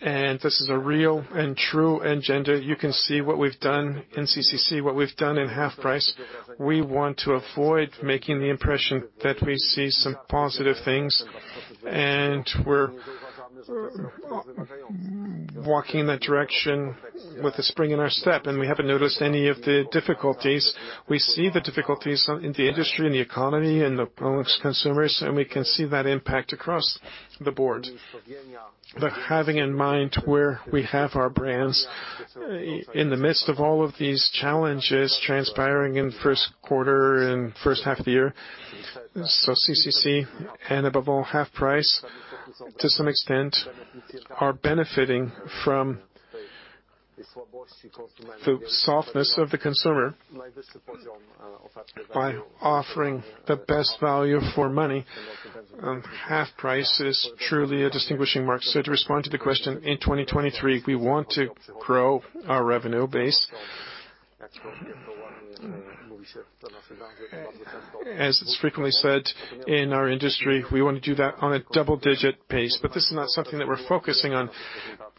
and this is a real and true agenda. You can see what we've done in CCC, what we've done in HalfPrice. We want to avoid making the impression that we see some positive things and we're walking that direction with a spring in our step, and we haven't noticed any of the difficulties. We see the difficulties in the industry and the economy and the consumers, and we can see that impact across the board. Having in mind where we have our brands in the midst of all of these challenges transpiring in first quarter and first half of the year. CCC and above all, HalfPrice to some extent are benefiting from the softness of the consumer by offering the best value for money, and HalfPrice is truly a distinguishing mark. To respond to the question, in 2023, we want to grow our revenue base. As it's frequently said in our industry, we want to do that on a double-digit pace, but this is not something that we're focusing on.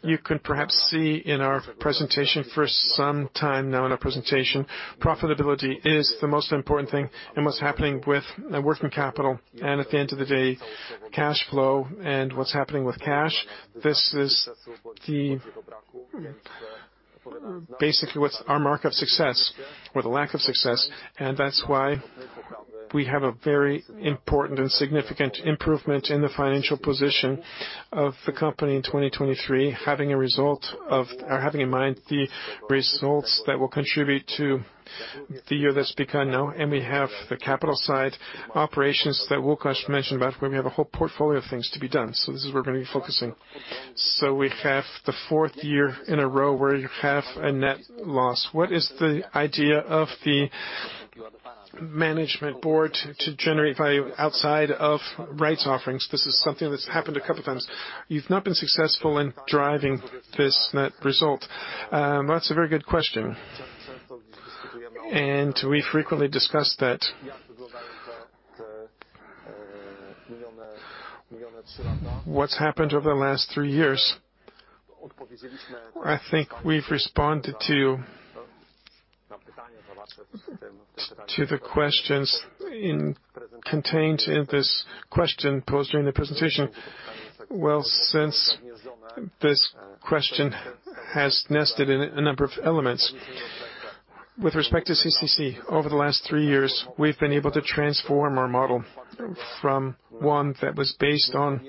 You can perhaps see in our presentation for some time now in our presentation, profitability is the most important thing and what's happening with working capital and at the end of the day, cash flow and what's happening with cash. This is the, basically, what's our mark of success or the lack of success. That's why we have a very important and significant improvement in the financial position of the company in 2023, having a result of or having in mind the results that will contribute to the year that's begun now. We have the capital side operations that Łukasz mentioned about, where we have a whole portfolio of things to be done. This is where we're gonna be focusing. We have the 4th year in a row where you have a net loss. What is the idea of the management board to generate value outside of rights offerings? This is something that's happened a couple of times. You've not been successful in driving this net result. That's a very good question. We frequently discuss that. What's happened over the last three years, I think we've responded to the questions contained in this question posed during the presentation. Well, since this question has nested in a number of elements. With respect to CCC, over the last three years, we've been able to transform our model from one that was based on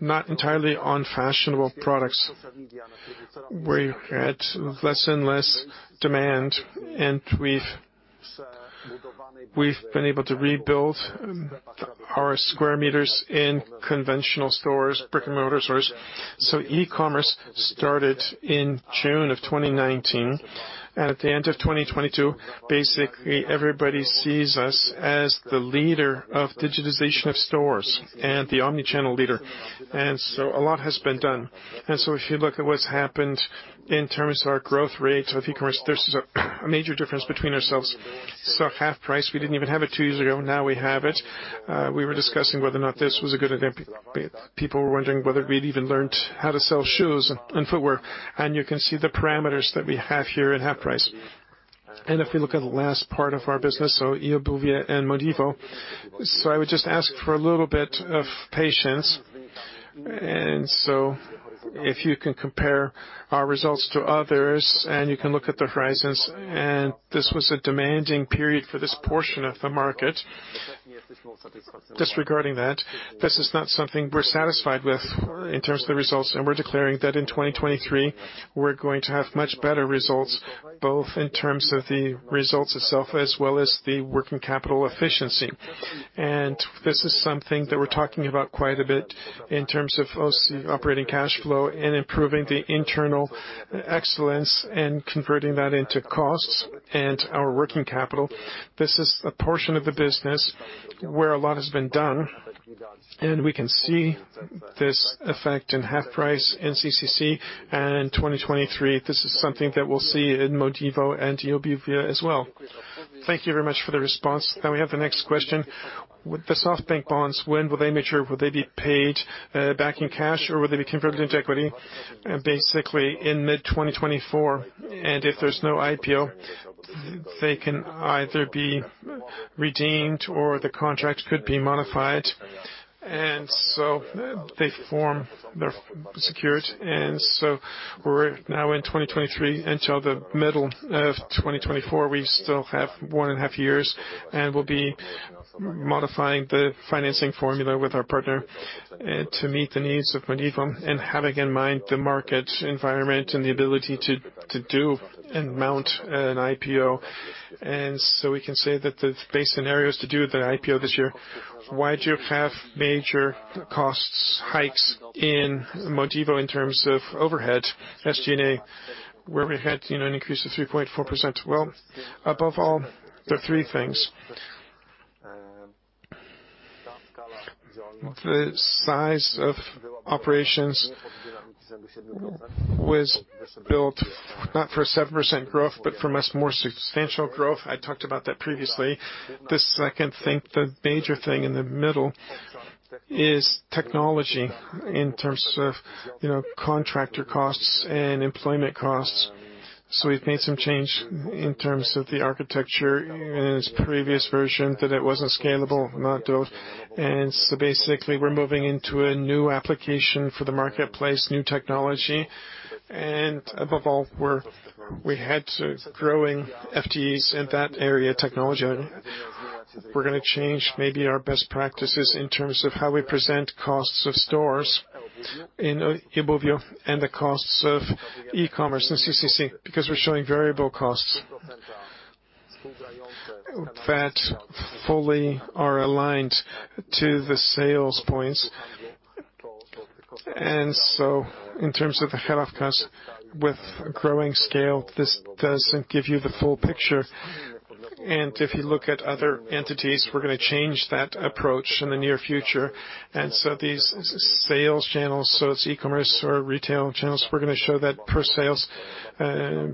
not entirely on fashionable products, where you had less and less demand. We've been able to rebuild our square meters in conventional stores, brick-and-mortar stores. E-commerce started in June of 2019. At the end of 2022, basically, everybody sees us as the leader of digitization of stores and the omni-channel leader. A lot has been done. If you look at what's happened in terms of our growth rates with e-commerce, there's a major difference between ourselves. HalfPrice, we didn't even have it two years ago, now we have it. We were discussing whether or not this was a good idea. People were wondering whether we'd even learned how to sell shoes and footwear. You can see the parameters that we have here at HalfPrice. If we look at the last part of our business, eobuwie.pl and Modivo. I would just ask for a little bit of patience. If you can compare our results to others, and you can look at the horizons, this was a demanding period for this portion of the market. Disregarding that, this is not something we're satisfied with in terms of the results, and we're declaring that in 2023, we're going to have much better results, both in terms of the results itself as well as the working capital efficiency. This is something that we're talking about quite a bit in terms of OC, operating cash flow, and improving the internal excellence and converting that into costs and our working capital. This is a portion of the business where a lot has been done, and we can see this effect in HalfPrice and CCC, and in 2023, this is something that we'll see in Modivo and eobuwie.pl as well. Thank you very much for the response. Now we have the next question. With the SoftBank bonds, when will they mature? Will they be paid back in cash, or will they be converted into equity? Basically in mid-2024. If there's no IPO, they can either be redeemed or the contract could be modified. They form, they're secured. We're now in 2023, until the middle of 2024, we still have one and a half years, and we'll be modifying the financing formula with our partner to meet the needs of Modivo and having in mind the market environment and the ability to do and mount an IPO. We can say that the base scenario is to do the IPO this year. Why do you have major costs hikes in Modivo in terms of overhead, SG&A, where we had, you know, an increase of 3.4%? Well, above all, there are three things. The size of operations was built not for 7% growth, but for much more substantial growth. I talked about that previously. The second thing, the major thing in the middle is technology in terms of, you know, contractor costs and employment costs. We've made some change in terms of the architecture. In its previous version, that it wasn't scalable, not at all. Basically, we're moving into a new application for the marketplace, new technology. Above all, we had to growing FTEs in that area, technology. We're gonna change maybe our best practices in terms of how we present costs of stores in eobuwie.pl and the costs of e-commerce in CCC because we're showing variable costs. That fully are aligned to the sales points. In terms of the head office, with growing scale, this doesn't give you the full picture. If you look at other entities, we're gonna change that approach in the near-future. These sales channels, so it's e-commerce or retail channels, we're gonna show that per sales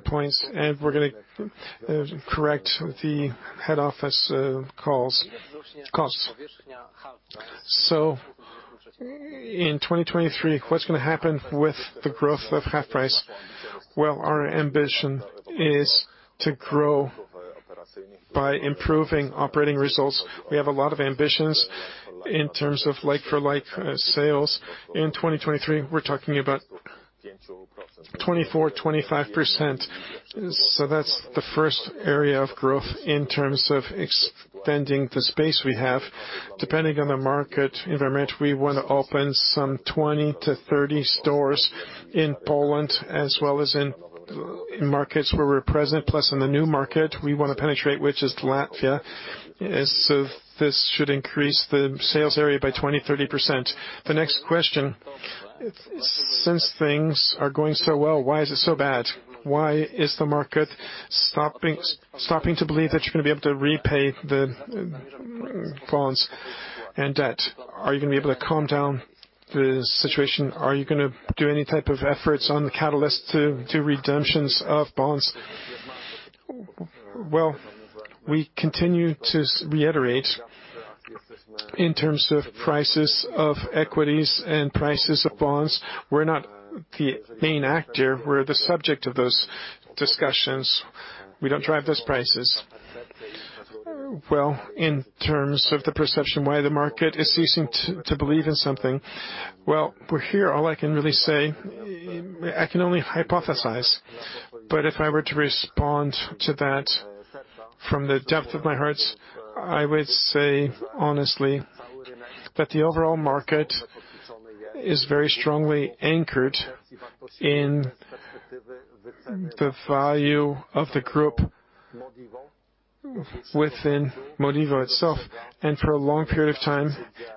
points, and we're gonna correct the head office calls, costs. In 2023, what's gonna happen with the growth of HalfPrice? Well, our ambition is to grow by improving operating results. We have a lot of ambitions in terms of like-for-like sales. In 2023, we're talking about 24%-25%. That's the first area of growth in terms of extending the space we have. Depending on the market environment, we wanna open some 20 to 30 stores in Poland as well as in markets where we're present, plus in the new market we wanna penetrate, which is Latvia. This should increase the sales area by 20%-30%. The next question, since things are going so well, why is it so bad? Why is the market stopping to believe that you're gonna be able to repay the bonds and debt? Are you gonna be able to calm down the situation? Are you gonna do any type of efforts on the catalyst to do redemptions of bonds? Well, we continue to reiterate in terms of prices of equities and prices of bonds, we're not the main actor. We're the subject of those discussions. We don't drive those prices. Well, in terms of the perception why the market is ceasing to believe in something, well, we're here, all I can really say, I can only hypothesize. If I were to respond to that from the depth of my hearts, I would say honestly that the overall market is very strongly anchored in the value of the group within Modivo itself. For a long period of time,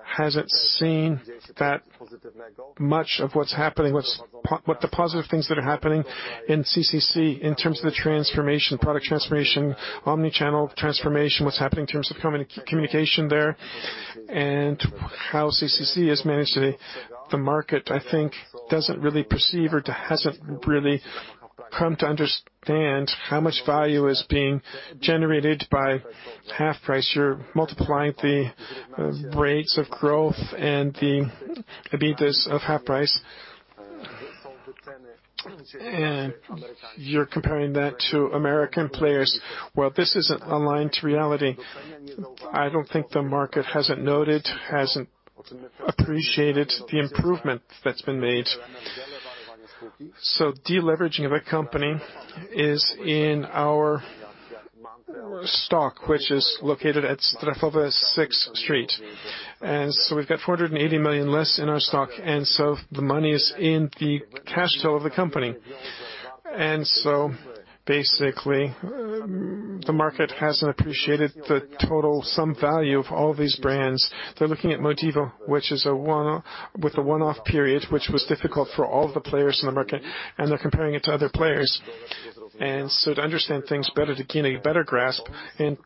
hasn't seen that much of what's happening, what the positive things that are happening in CCC in terms of the transformation, product transformation, omni-channel transformation, what's happening in terms of communication there and how CCC has managed to. The market, I think, doesn't really perceive or hasn't really come to understand how much value is being generated by HalfPrice. You're multiplying the rates of growth and the EBITDAs of HalfPrice. You're comparing that to American players. Well, this isn't aligned to reality. I don't think the market hasn't noted, hasn't appreciated the improvement that's been made. Deleveraging of a company is in our stock, which is located at Starowiejska 6 Street. We've got 480 million less in our stock, and so the money is in the cash flow of the company. Basically, the market hasn't appreciated the total sum value of all these brands. They're looking at Modivo, which is with a one-off period, which was difficult for all the players in the market, and they're comparing it to other players. To understand things better, to gain a better grasp, and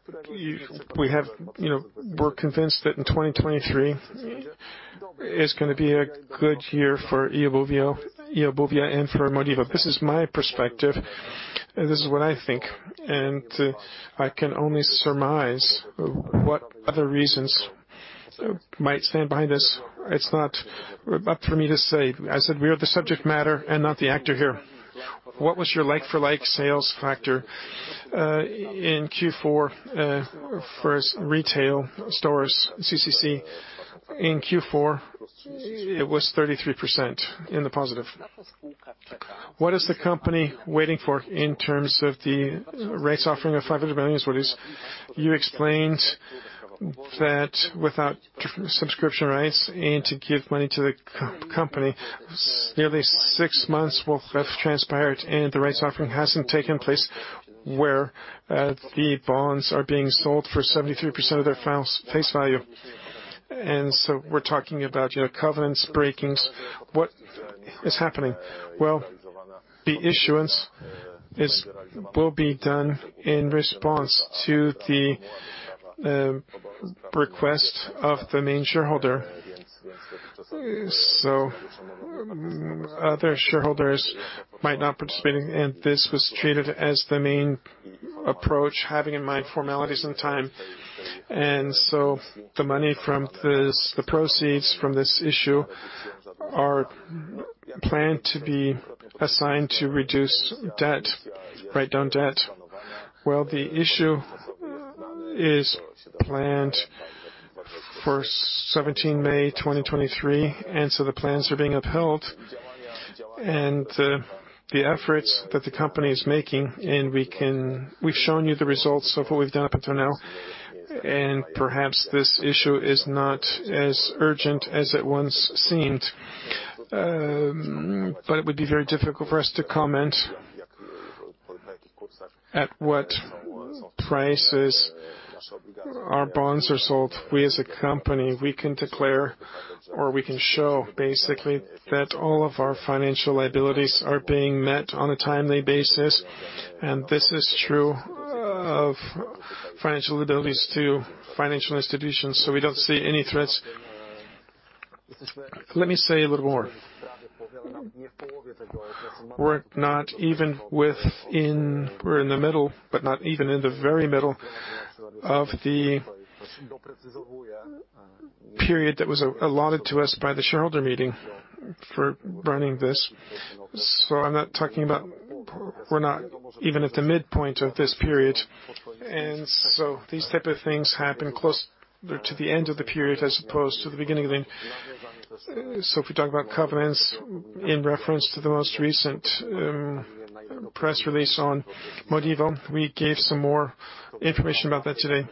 we have, you know, we're convinced that in 2023 is gonna be a good year for eobuwie.pl and for Modivo. This is my perspective, and this is what I think. I can only surmise what other reasons might stand behind this. It's not up for me to say. I said we are the subject matter and not the actor here. What was your like-for-like sales factor in Q4 for retail stores, CCC? In Q4, it was 33% in the positive. What is the company waiting for in terms of the rights offering of 500 million? You explained that without subscription rights and to give money to the company, nearly six months will have transpired, and the rights offering hasn't taken place where the bonds are being sold for 73% of their face value. So we're talking about, you know, covenants breakings. What is happening? Well, the issuance will be done in response to the request of the main shareholder. Other shareholders might not participate, and this was treated as the main approach, having in mind formalities and time. The money from this, the proceeds from this issue are planned to be assigned to reduce debt, write-down debt. Well, the issue is planned for 17 May 2023, the plans are being upheld and the efforts that the company is making, we've shown you the results of what we've done up until now. Perhaps this issue is not as urgent as it once seemed. It would be very difficult for us to comment at what prices our bonds are sold. We as a company, we can declare or we can show basically that all of our financial liabilities are being met on a timely basis. This is true of financial abilities to financial institutions. We don't see any threats. Let me say a little more. We're in the middle, but not even in the very middle of the period that was allotted to us by the shareholder meeting for running this. I'm not talking about we're not even at the midpoint of this period. These type of things happen close to the end of the period as opposed to the beginning of the... If we talk about covenants in reference to the most recent press release on Modivo, we gave some more information about that today.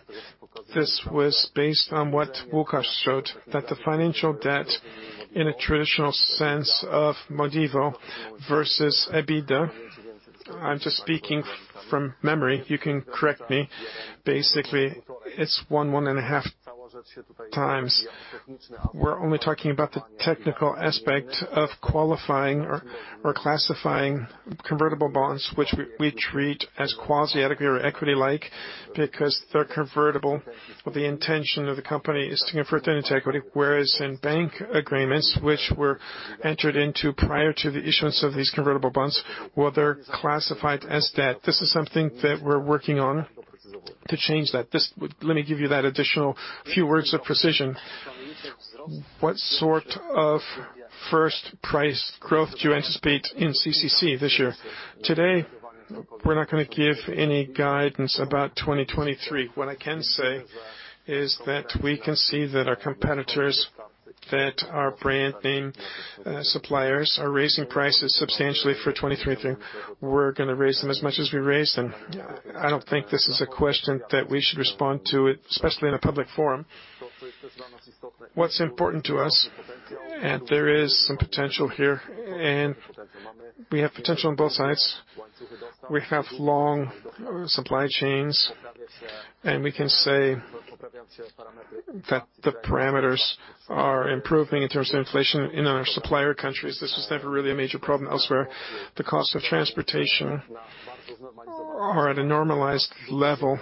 This was based on what Łukasz showed, that the financial debt in a traditional sense of Modivo versus EBITDA. I'm just speaking from memory. You can correct me. Basically, it's 1.5x. We're only talking about the technical aspect of qualifying or classifying convertible bonds, which we treat as quasi-equity or equity-like because they're convertible, or the intention of the company is to convert them into equity. Whereas in bank agreements, which were entered into prior to the issuance of these convertible bonds, well, they're classified as debt. This is something that we're working on to change that. Let me give you that additional few words of precision. What sort of first price growth do you anticipate in CCC this year? Today, we're not gonna give any guidance about 2023. What I can say is that we can see that our competitors, that our brand name, suppliers are raising prices substantially for 2023. We're gonna raise them as much as we raise them. I don't think this is a question that we should respond to, especially in a public forum. What's important to us, and there is some potential here, and we have potential on both sides. We have long supply chains, and we can say that the parameters are improving in terms of inflation in our supplier countries. This was never really a major problem elsewhere. The cost of transportation are at a normalized level.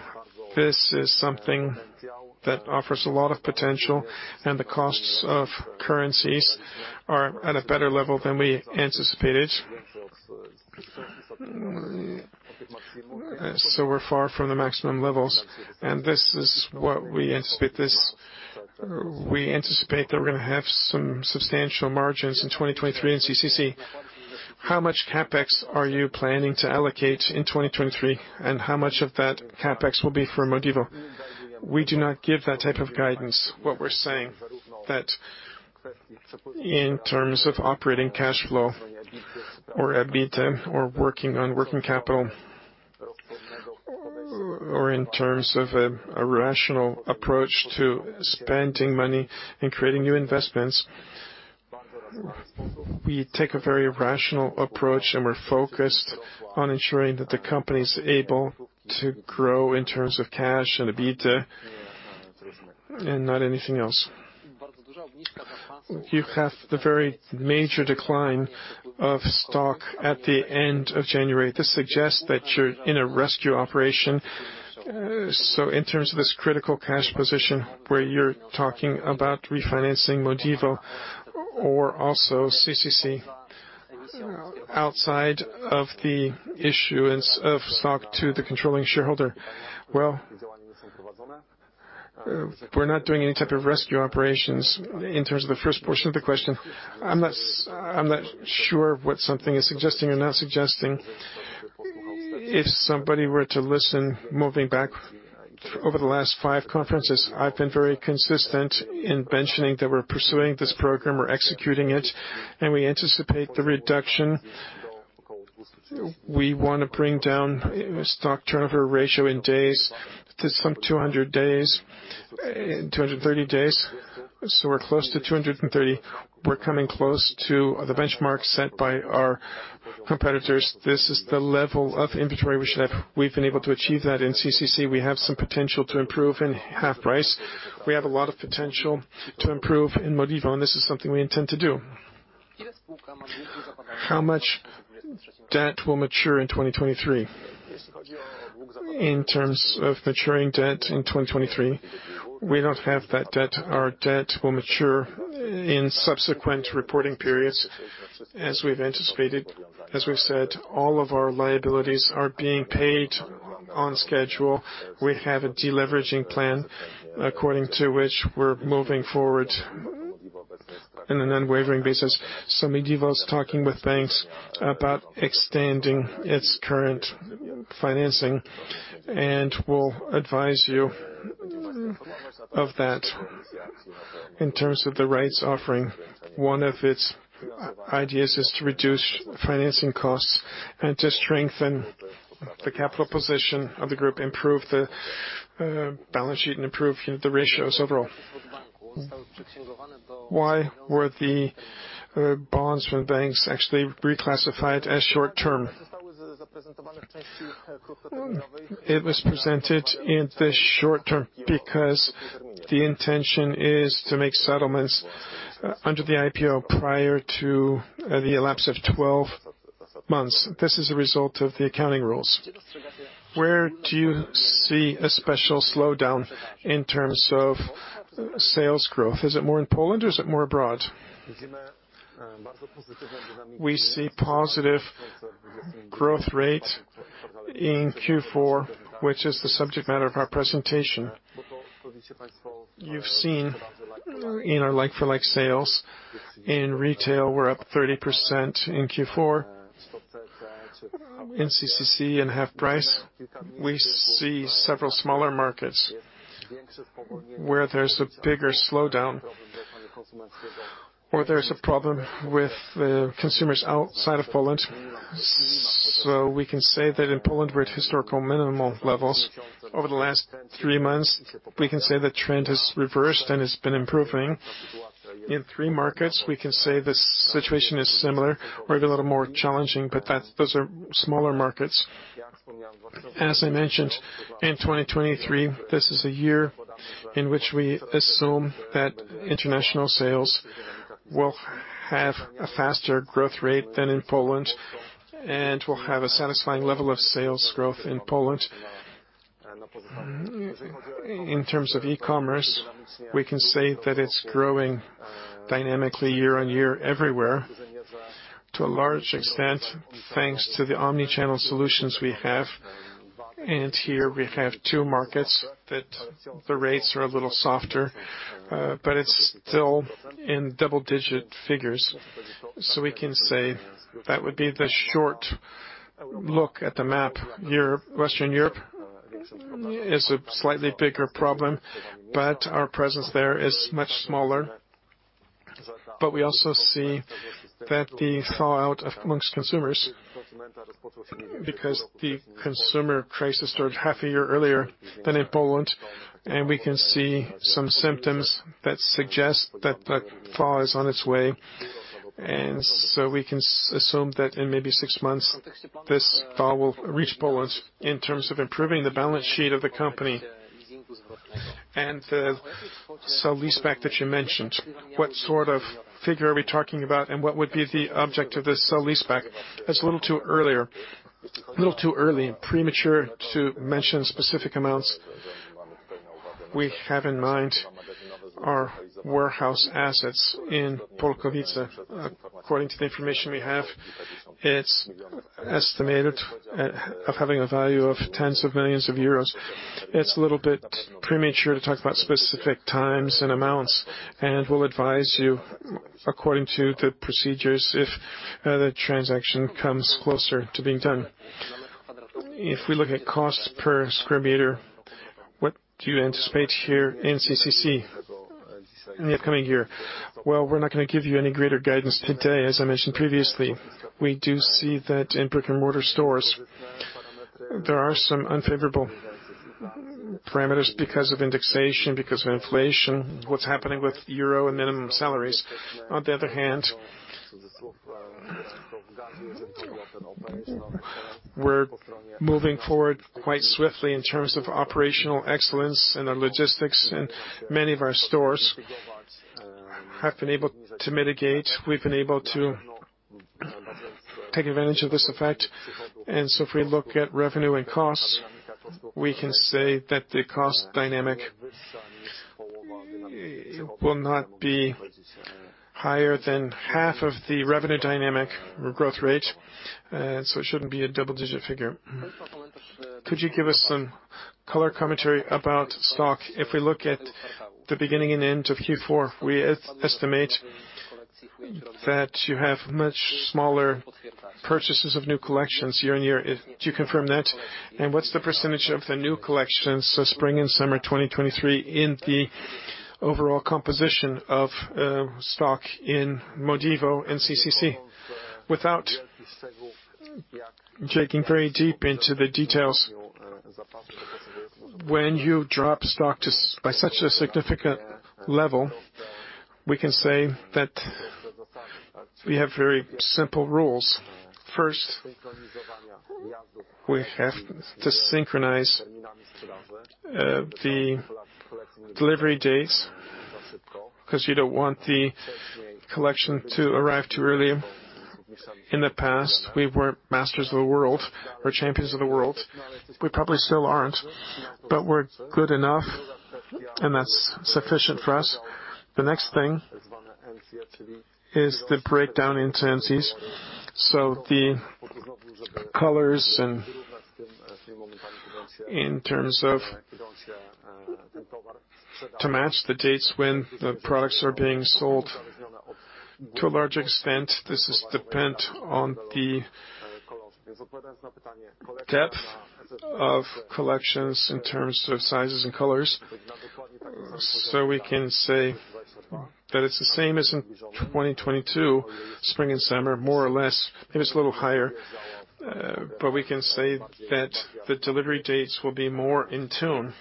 This is something that offers a lot of potential and the costs of currencies are at a better level than we anticipated. We're far from the maximum levels, and this is what we anticipate this. We anticipate that we're gonna have some substantial margins in 2023 in CCC. How much CapEx are you planning to allocate in 2023, and how much of that CapEx will be for Modivo? We do not give that type of guidance. What we're saying, that in terms of operating cash flow or EBITDA or working on working capital or in terms of a rational approach to spending money and creating new investments, we take a very rational approach and we're focused on ensuring that the company is able to grow in terms of cash and EBITDA and not anything else. You have the very major decline of stock at the end of January. This suggests that you're in a rescue operation. In terms of this critical cash position where you're talking about refinancing Modivo or also CCC outside of the issuance of stock to the controlling shareholder. We're not doing any type of rescue operations. In terms of the first portion of the question, I'm not sure what something is suggesting or not suggesting. If somebody were to listen, moving back over the last five conferences, I've been very consistent in mentioning that we're pursuing this program, we're executing it, and we anticipate the reduction. We wanna bring down stock turnover ratio in days to some 200 days, 230 days. We're close to 230 days. We're coming close to the benchmark set by our competitors. This is the level of inventory we should have. We've been able to achieve that in CCC. We have some potential to improve in HalfPrice. We have a lot of potential to improve in Modivo, this is something we intend to do. How much debt will mature in 2023? In terms of maturing debt in 2023, we don't have that debt. Our debt will mature in subsequent reporting periods, as we've anticipated. As we've said, all of our liabilities are being paid on schedule. We have a deleveraging plan according to which we're moving forward in an unwavering basis. Modivo is talking with banks about extending its current financing, and we'll advise you of that. In terms of the rights offering, one of its ideas is to reduce financing costs and to strengthen the capital position of the Group, improve the balance sheet, and improve the ratios overall. Why were the bonds from banks actually reclassified as short-term? It was presented in the short-term because the intention is to make settlements under the IPO prior to the elapse of 12 months. This is a result of the accounting rules. Where do you see a special slowdown in terms of sales growth? Is it more in Poland or is it more abroad? We see positive growth rate in Q4, which is the subject matter of our presentation. You've seen in our like-for-like sales in retail, we're up 30% in Q4. In CCC and HalfPrice, we see several smaller markets where there's a bigger slowdown or there's a problem with the consumers outside of Poland. We can say that in Poland, we're at historical minimum levels. Over the last three months, we can say the trend has reversed and it's been improving. In three markets, we can say the situation is similar or a little more challenging. Those are smaller markets. As I mentioned, in 2023, this is a year in which we assume that international sales will have a faster growth rate than in Poland and will have a satisfying level of sales growth in Poland. In terms of e-commerce, we can say that it's growing dynamically year-on-year everywhere to a large extent, thanks to the omni-channel solutions we have. Here we have two markets that the rates are a little softer, it's still in double-digit figures. We can say that would be the short look at the map. Europe, Western Europe is a slightly bigger problem, our presence there is much smaller. We also see that the thaw out amongst consumers because the consumer crisis started half a year earlier than in Poland, and we can see some symptoms that suggest that the thaw is on its way. We can assume that in maybe six months, this thaw will reach Poland. In terms of improving the balance sheet of the company and the sale-leaseback that you mentioned, what sort of figure are we talking about and what would be the object of this sale-leaseback? It's a little too early and premature to mention specific amounts. We have in mind our warehouse assets in Polkowice. According to the information we have, it's estimated at, of having a value of tens of millions of Euros. It's a little bit premature to talk about specific times and amounts. We'll advise you according to the procedures if the transaction comes closer to being done. If we look at cost per square meter, what do you anticipate here in CCC in the upcoming year? Well, we're not gonna give you any greater guidance today. As I mentioned previously, we do see that in brick-and-mortar stores, there are some unfavorable parameters because of indexation, because of inflation, what's happening with Euro and minimum salaries. On the other hand, we're moving forward quite swiftly in terms of operational excellence and our logistics. Many of our stores have been able to mitigate. We've been able to take advantage of this effect. If we look at revenue and costs, we can say that the cost dynamic will not be higher than 1/2 of the revenue dynamic or growth rate, so it shouldn't be a double-digit figure. Could you give us some color commentary about stock? If we look at the beginning and end of Q4, we estimate that you have much smaller purchases of new collections year-on-year. Do you confirm that? What's the percentage of the new collections, so spring and summer 2023 in the overall composition of stock in Modivo and CCC? Without digging very deep into the details, when you drop stock just by such a significant level, we can say that we have very simple rules. First, we have to synchronize the delivery dates because you don't want the collection to arrive too early. In the past, we weren't masters of the world or champions of the world. We probably still aren't, but we're good enough, and that's sufficient for us. The next thing is the breakdown into MCs. The colors and in terms of to match the dates when the products are being sold. To a large extent, this is dependent on the depth of collections in terms of sizes and colors. We can say that it's the same as in 2022, spring and summer, more or less. Maybe it's a little higher. We can say that the delivery dates will be more in tune.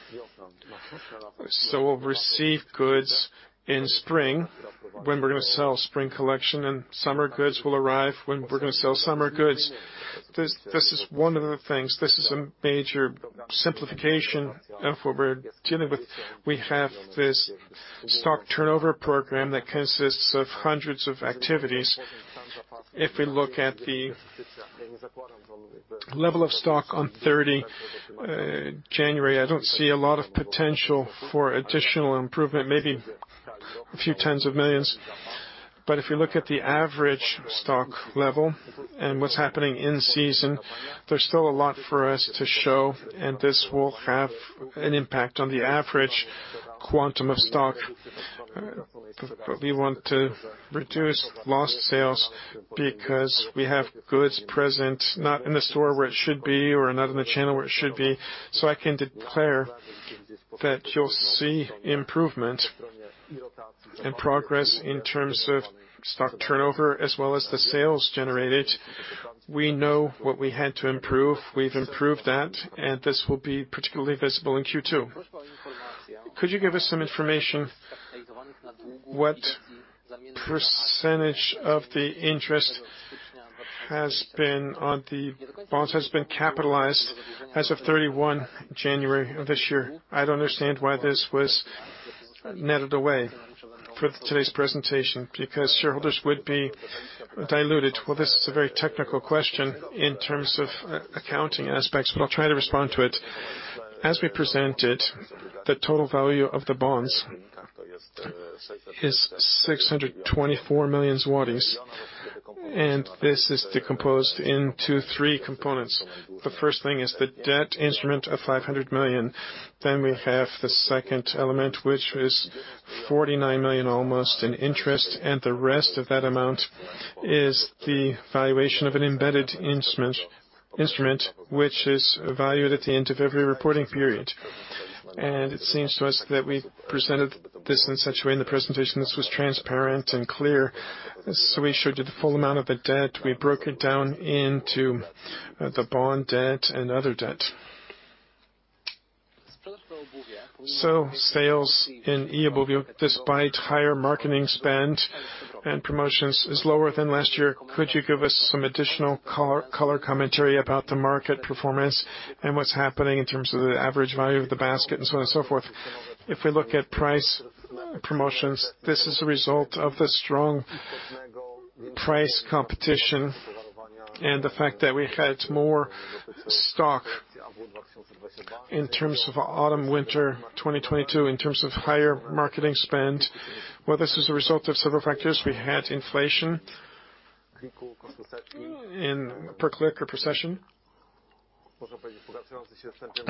We'll receive goods in spring when we're gonna sell spring collection, and summer goods will arrive when we're gonna sell summer goods. This is one of the things. This is a major simplification of what we're dealing with. We have this stock turnover program that consists of hundreds of activities. If we look at the level of stock on 30 January, I don't see a lot of potential for additional improvement, maybe a few tens of millions Polish złoty. If you look at the average stock level and what's happening in season, there's still a lot for us to show, and this will have an impact on the average quantum of stock. We want to reduce lost sales because we have goods present, not in the store where it should be or not in the channel where it should be. I can declare that you'll see improvement and progress in terms of stock turnover as well as the sales generated. We know what we had to improve. We've improved that, and this will be particularly visible in Q2. Could you give us some information what percentage of the interest has been on the-- bonds has been capitalized as of 31 January of this year? I don't understand why this was netted away for today's presentation because shareholders would be diluted. Well, this is a very technical question in terms of accounting aspects, but I'll try to respond to it. As we presented, the total value of the bonds is 624 million zlotys, and this is decomposed into three components. The first thing is the debt instrument of 500 million. We have the second element, which is 49 million almost in interest, and the rest of that amount is the valuation of an embedded instrument which is valued at the end of every reporting period. It seems to us that we presented this in such a way in the presentation. This was transparent and clear. We showed you the full amount of the debt. We broke it down into the bond debt and other debt. Sales in eobuwie.pl, despite higher marketing spend and promotions, is lower than last year. Could you give us some additional color commentary about the market performance and what's happening in terms of the average value of the basket and so on and so forth? If we look at price promotions, this is a result of the strong price competition and the fact that we had more stock in terms of autumn/winter 2022, in terms of higher marketing spend. Well, this is a result of several factors. We had inflation in per click or per session.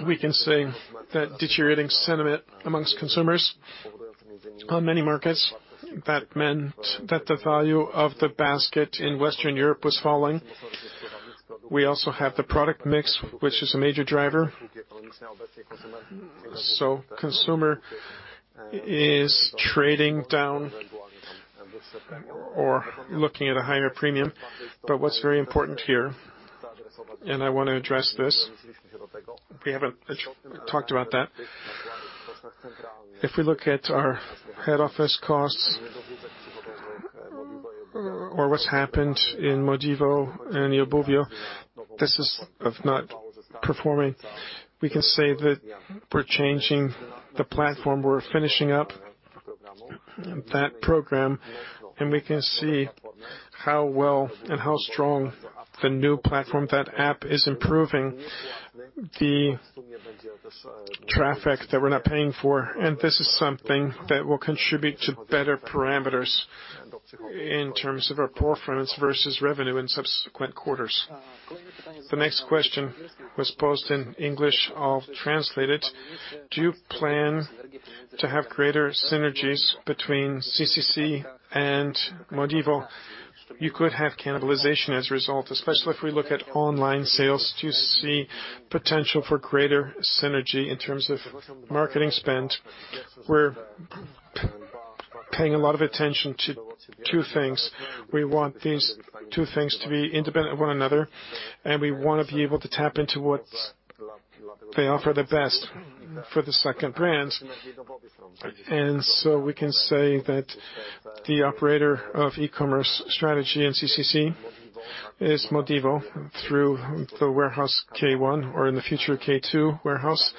We can say that deteriorating sentiment amongst consumers on many markets, that meant that the value of the basket in Western Europe was falling. We also have the product mix, which is a major driver. Consumer is trading down or looking at a higher premium. What's very important here, and I wanna address this, we haven't talked about that. If we look at our head office costs or what's happened in Modivo and eobuwie.pl, this is of not performing. We can say that we're changing the platform. We're finishing up that program, and we can see how well and how strong the new platform, that app, is improving the traffic that we're not paying for. This is something that will contribute to better parameters in terms of our performance versus revenue in subsequent quarters. The next question was posed in English, I'll translate it. Do you plan to have greater synergies between CCC and Modivo? You could have cannibalization as a result, especially if we look at online sales. Do you see potential for greater synergy in terms of marketing spend? We're paying a lot of attention to two things. We want these two things to be independent of one another, and we wanna be able to tap into what they offer the best for the second brand. We can say that the operator of e-commerce strategy in CCC is Modivo through the warehouse K1 or in the future, K2 warehouse.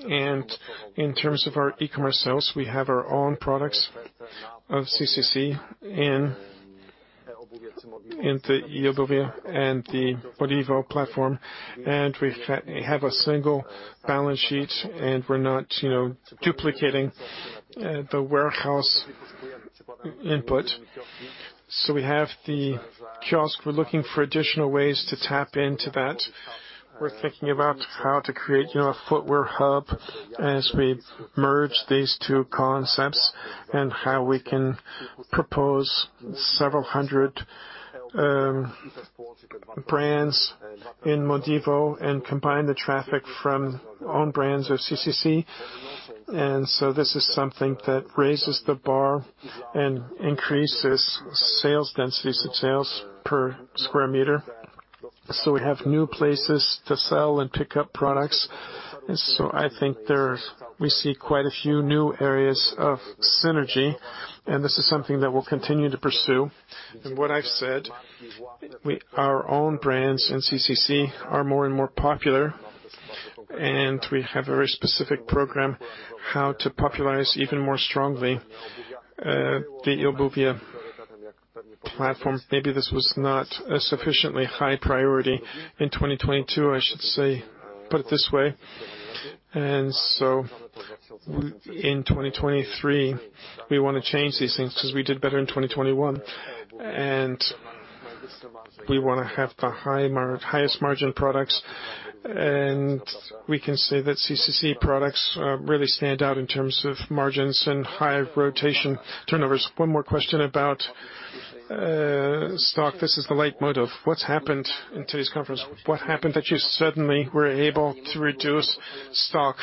In terms of our e-commerce sales, we have our own products of CCC in the eobuwie and the Modivo platform. We have a single balance sheet, and we're not, you know, duplicating the warehouse input. We have the kiosk. We're looking for additional ways to tap into that. We're thinking about how to create, you know, a footwear hub as we merge these two concepts and how we can propose several hundred brands in Modivo and combine the traffic from own brands of CCC. So this is something that raises the bar and increases sales densities to sales per square meter. We have new places to sell and pick up products. I think there's. We see quite a few new areas of synergy, and this is something that we'll continue to pursue. What I've said, we, our own brands in CCC are more and more popular, and we have a very specific program how to popularize even more strongly the eobuwie.pl platform. Maybe this was not a sufficiently high priority in 2022, I should say. Put it this way. In 2023, we wanna change these things because we did better in 2021. We wanna have the highest margin products, and we can say that CCC products really stand out in terms of margins and high rotation turnovers. One more question about stock. This is the leitmotif. What's happened in today's conference? What happened that you suddenly were able to reduce stock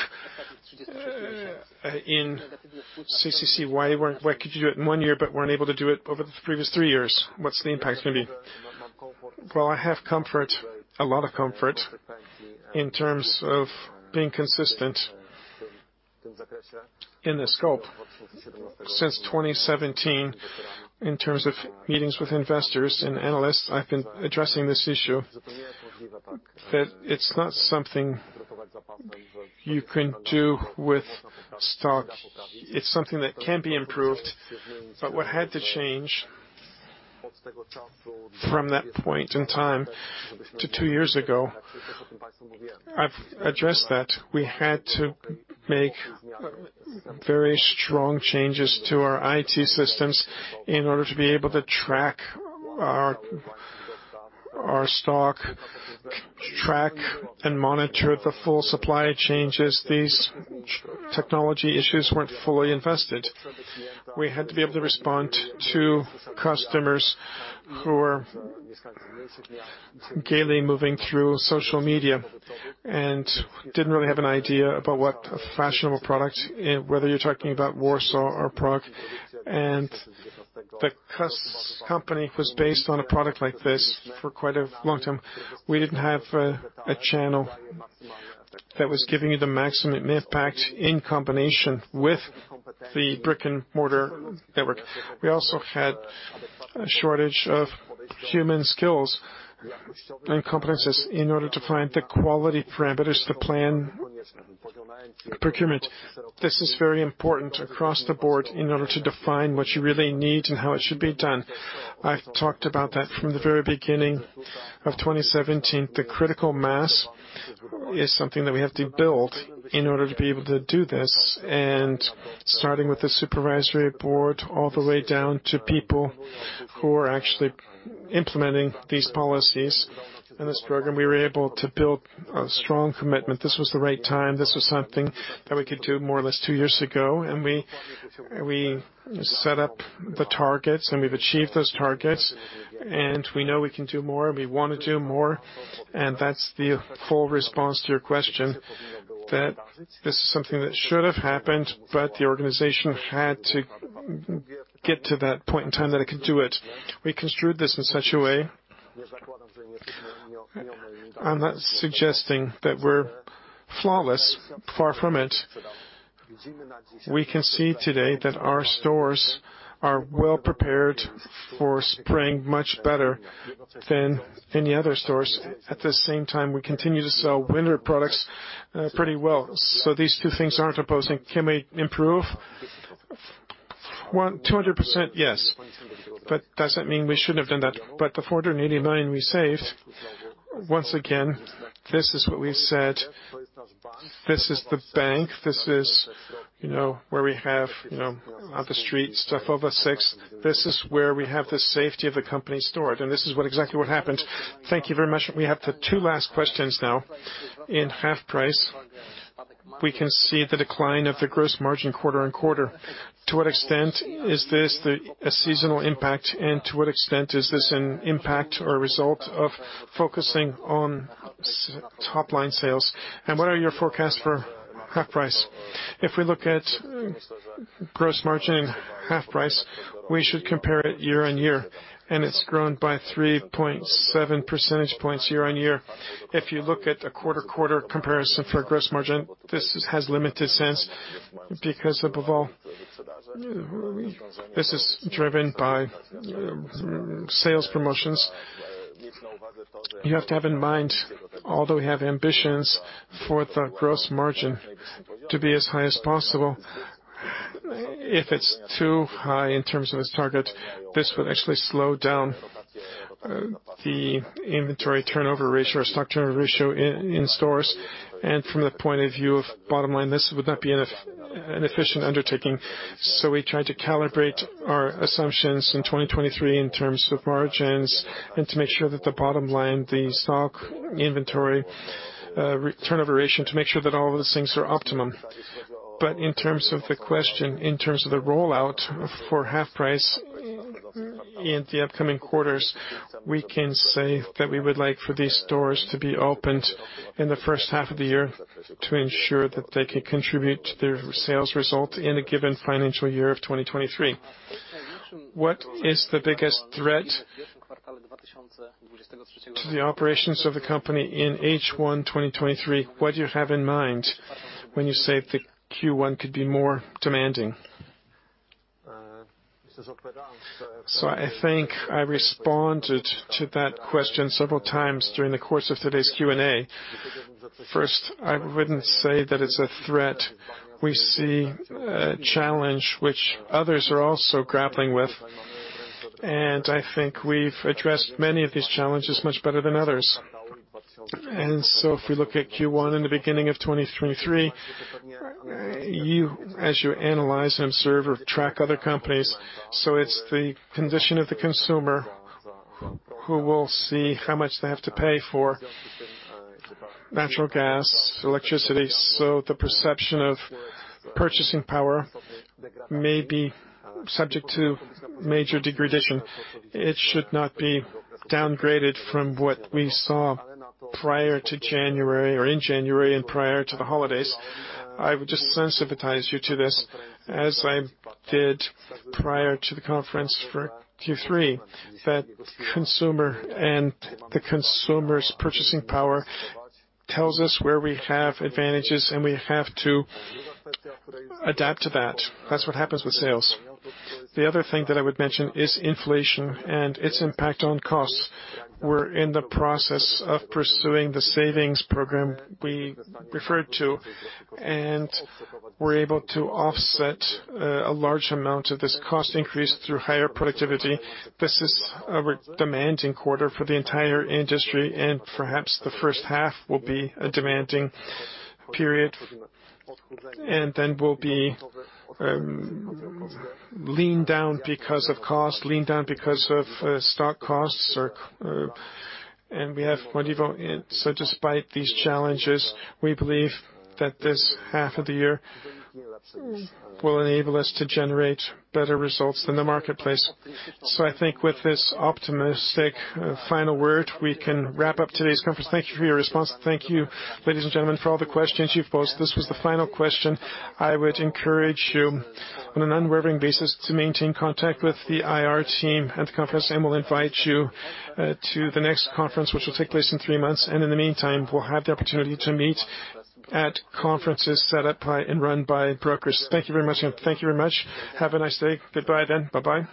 in CCC? Why weren't, why could you do it in one year but weren't able to do it over the previous three years? What's the impact gonna be? Well, I have comfort, a lot of comfort in terms of being consistent in this scope. Since 2017, in terms of meetings with investors and analysts, I've been addressing this issue. It's not something you can do with stock. It's something that can be improved. What had to change from that point in time to two years ago, I've addressed that. We had to make very strong changes to our IT systems in order to be able to track our stock, track and monitor the full supply changes. These technology issues weren't fully invested. We had to be able to respond to customers who were gaily moving through social media and didn't really have an idea about what a fashionable product, whether you're talking about Warsaw or Prague. The company was based on a product like this for quite a long time. We didn't have a channel that was giving you the maximum impact in combination with the brick-and-mortar network. We also had a shortage of human skills and competencies in order to find the quality parameters to plan procurement. This is very important across the board in order to define what you really need and how it should be done. I've talked about that from the very beginning of 2017. The critical mass is something that we have to build in order to be able to do this. Starting with the supervisory board all the way down to people who are actually implementing these policies and this program, we were able to build a strong commitment. This was the right time. This was something that we could do more or less two years ago. We set up the targets. We've achieved those targets. We know we can do more, we wanna do more. That's the full response to your question, that this is something that should have happened, but the organization had to get to that point in time that it could do it. We construed this in such a way. I'm not suggesting that we're flawless. Far from it. We can see today that our stores are well-prepared for spring, much better than any other stores. At the same time, we continue to sell winter products, pretty well. These two things aren't opposing. Can we improve? 100%, 200%, yes. Doesn't mean we should have done that. The 480 million we saved, once again, this is what we said, this is the bank. This is, you know, where we have, you know, on the street, Starowiejska 6 Street. This is where we have the safety of the company stored. This is exactly what happened. Thank you very much. We have the two last questions now. In HalfPrice, we can see the decline of the gross margin quarter-over-quarter. To what extent is this a seasonal impact, and to what extent is this an impact or a result of focusing on top-line sales? What are your forecasts for HalfPrice? If we look at gross margin in HalfPrice, we should compare it year-over-year, and it's grown by 3.7 percentage points year-over-year. If you look at a quarter-over-quarter comparison for gross margin, this has limited sense because, above all, this is driven by sales promotions. You have to have in mind, although we have ambitions for the gross margin to be as high as possible, if it's too high in terms of its target, this would actually slow down the inventory turnover ratio or stock turnover ratio in stores. From the point of view of bottom line, this would not be an efficient undertaking. We try to calibrate our assumptions in 2023 in terms of margins and to make sure that the bottom line, the stock inventory turnover ratio, to make sure that all of those things are optimum. In terms of the question, in terms of the rollout for HalfPrice in the upcoming quarters, we can say that we would like for these stores to be opened in the first half of the year to ensure that they can contribute to their sales result in a given financial year of 2023. What is the biggest threat to the operations of the company in H1 2023? What do you have in mind when you say that Q1 could be more demanding? I think I responded to that question several times during the course of today's Q&A. First, I wouldn't say that it's a threat. We see a challenge which others are also grappling with, and I think we've addressed many of these challenges much better than others. If we look at Q1 in the beginning of 2023, you, as you analyze, observe, or track other companies, it's the condition of the consumer who will see how much they have to pay for natural gas, electricity. The perception of purchasing power may be subject to major degradation. It should not be downgraded from what we saw prior to January or in January and prior to the holidays. I would just sensitize you to this, as I did prior to the conference for Q3, that consumer and the consumer's purchasing power tells us where we have advantages, and we have to adapt to that. That's what happens with sales. The other thing that I would mention is inflation and its impact on costs. We're in the process of pursuing the savings program we referred to, and we're able to offset a large amount of this cost increase through higher productivity. This is a demanding quarter for the entire industry. Perhaps the first half will be a demanding period. Then we'll be lean down because of cost, lean-down because of stock costs or... We have Modivo. Despite these challenges, we believe that this half of the year will enable us to generate better results than the marketplace. I think with this optimistic final word, we can wrap up today's conference. Thank you for your response. Thank you, ladies and gentlemen, for all the questions you've posed. This was the final question. I would encourage you on an unwavering basis to maintain contact with the IR team at the conference, and we'll invite you to the next conference, which will take place in three months. In the meantime, we'll have the opportunity to meet at conferences set up by and run by brokers. Thank you very much. Thank you very much. Have a nice day. Goodbye then. Bye-bye.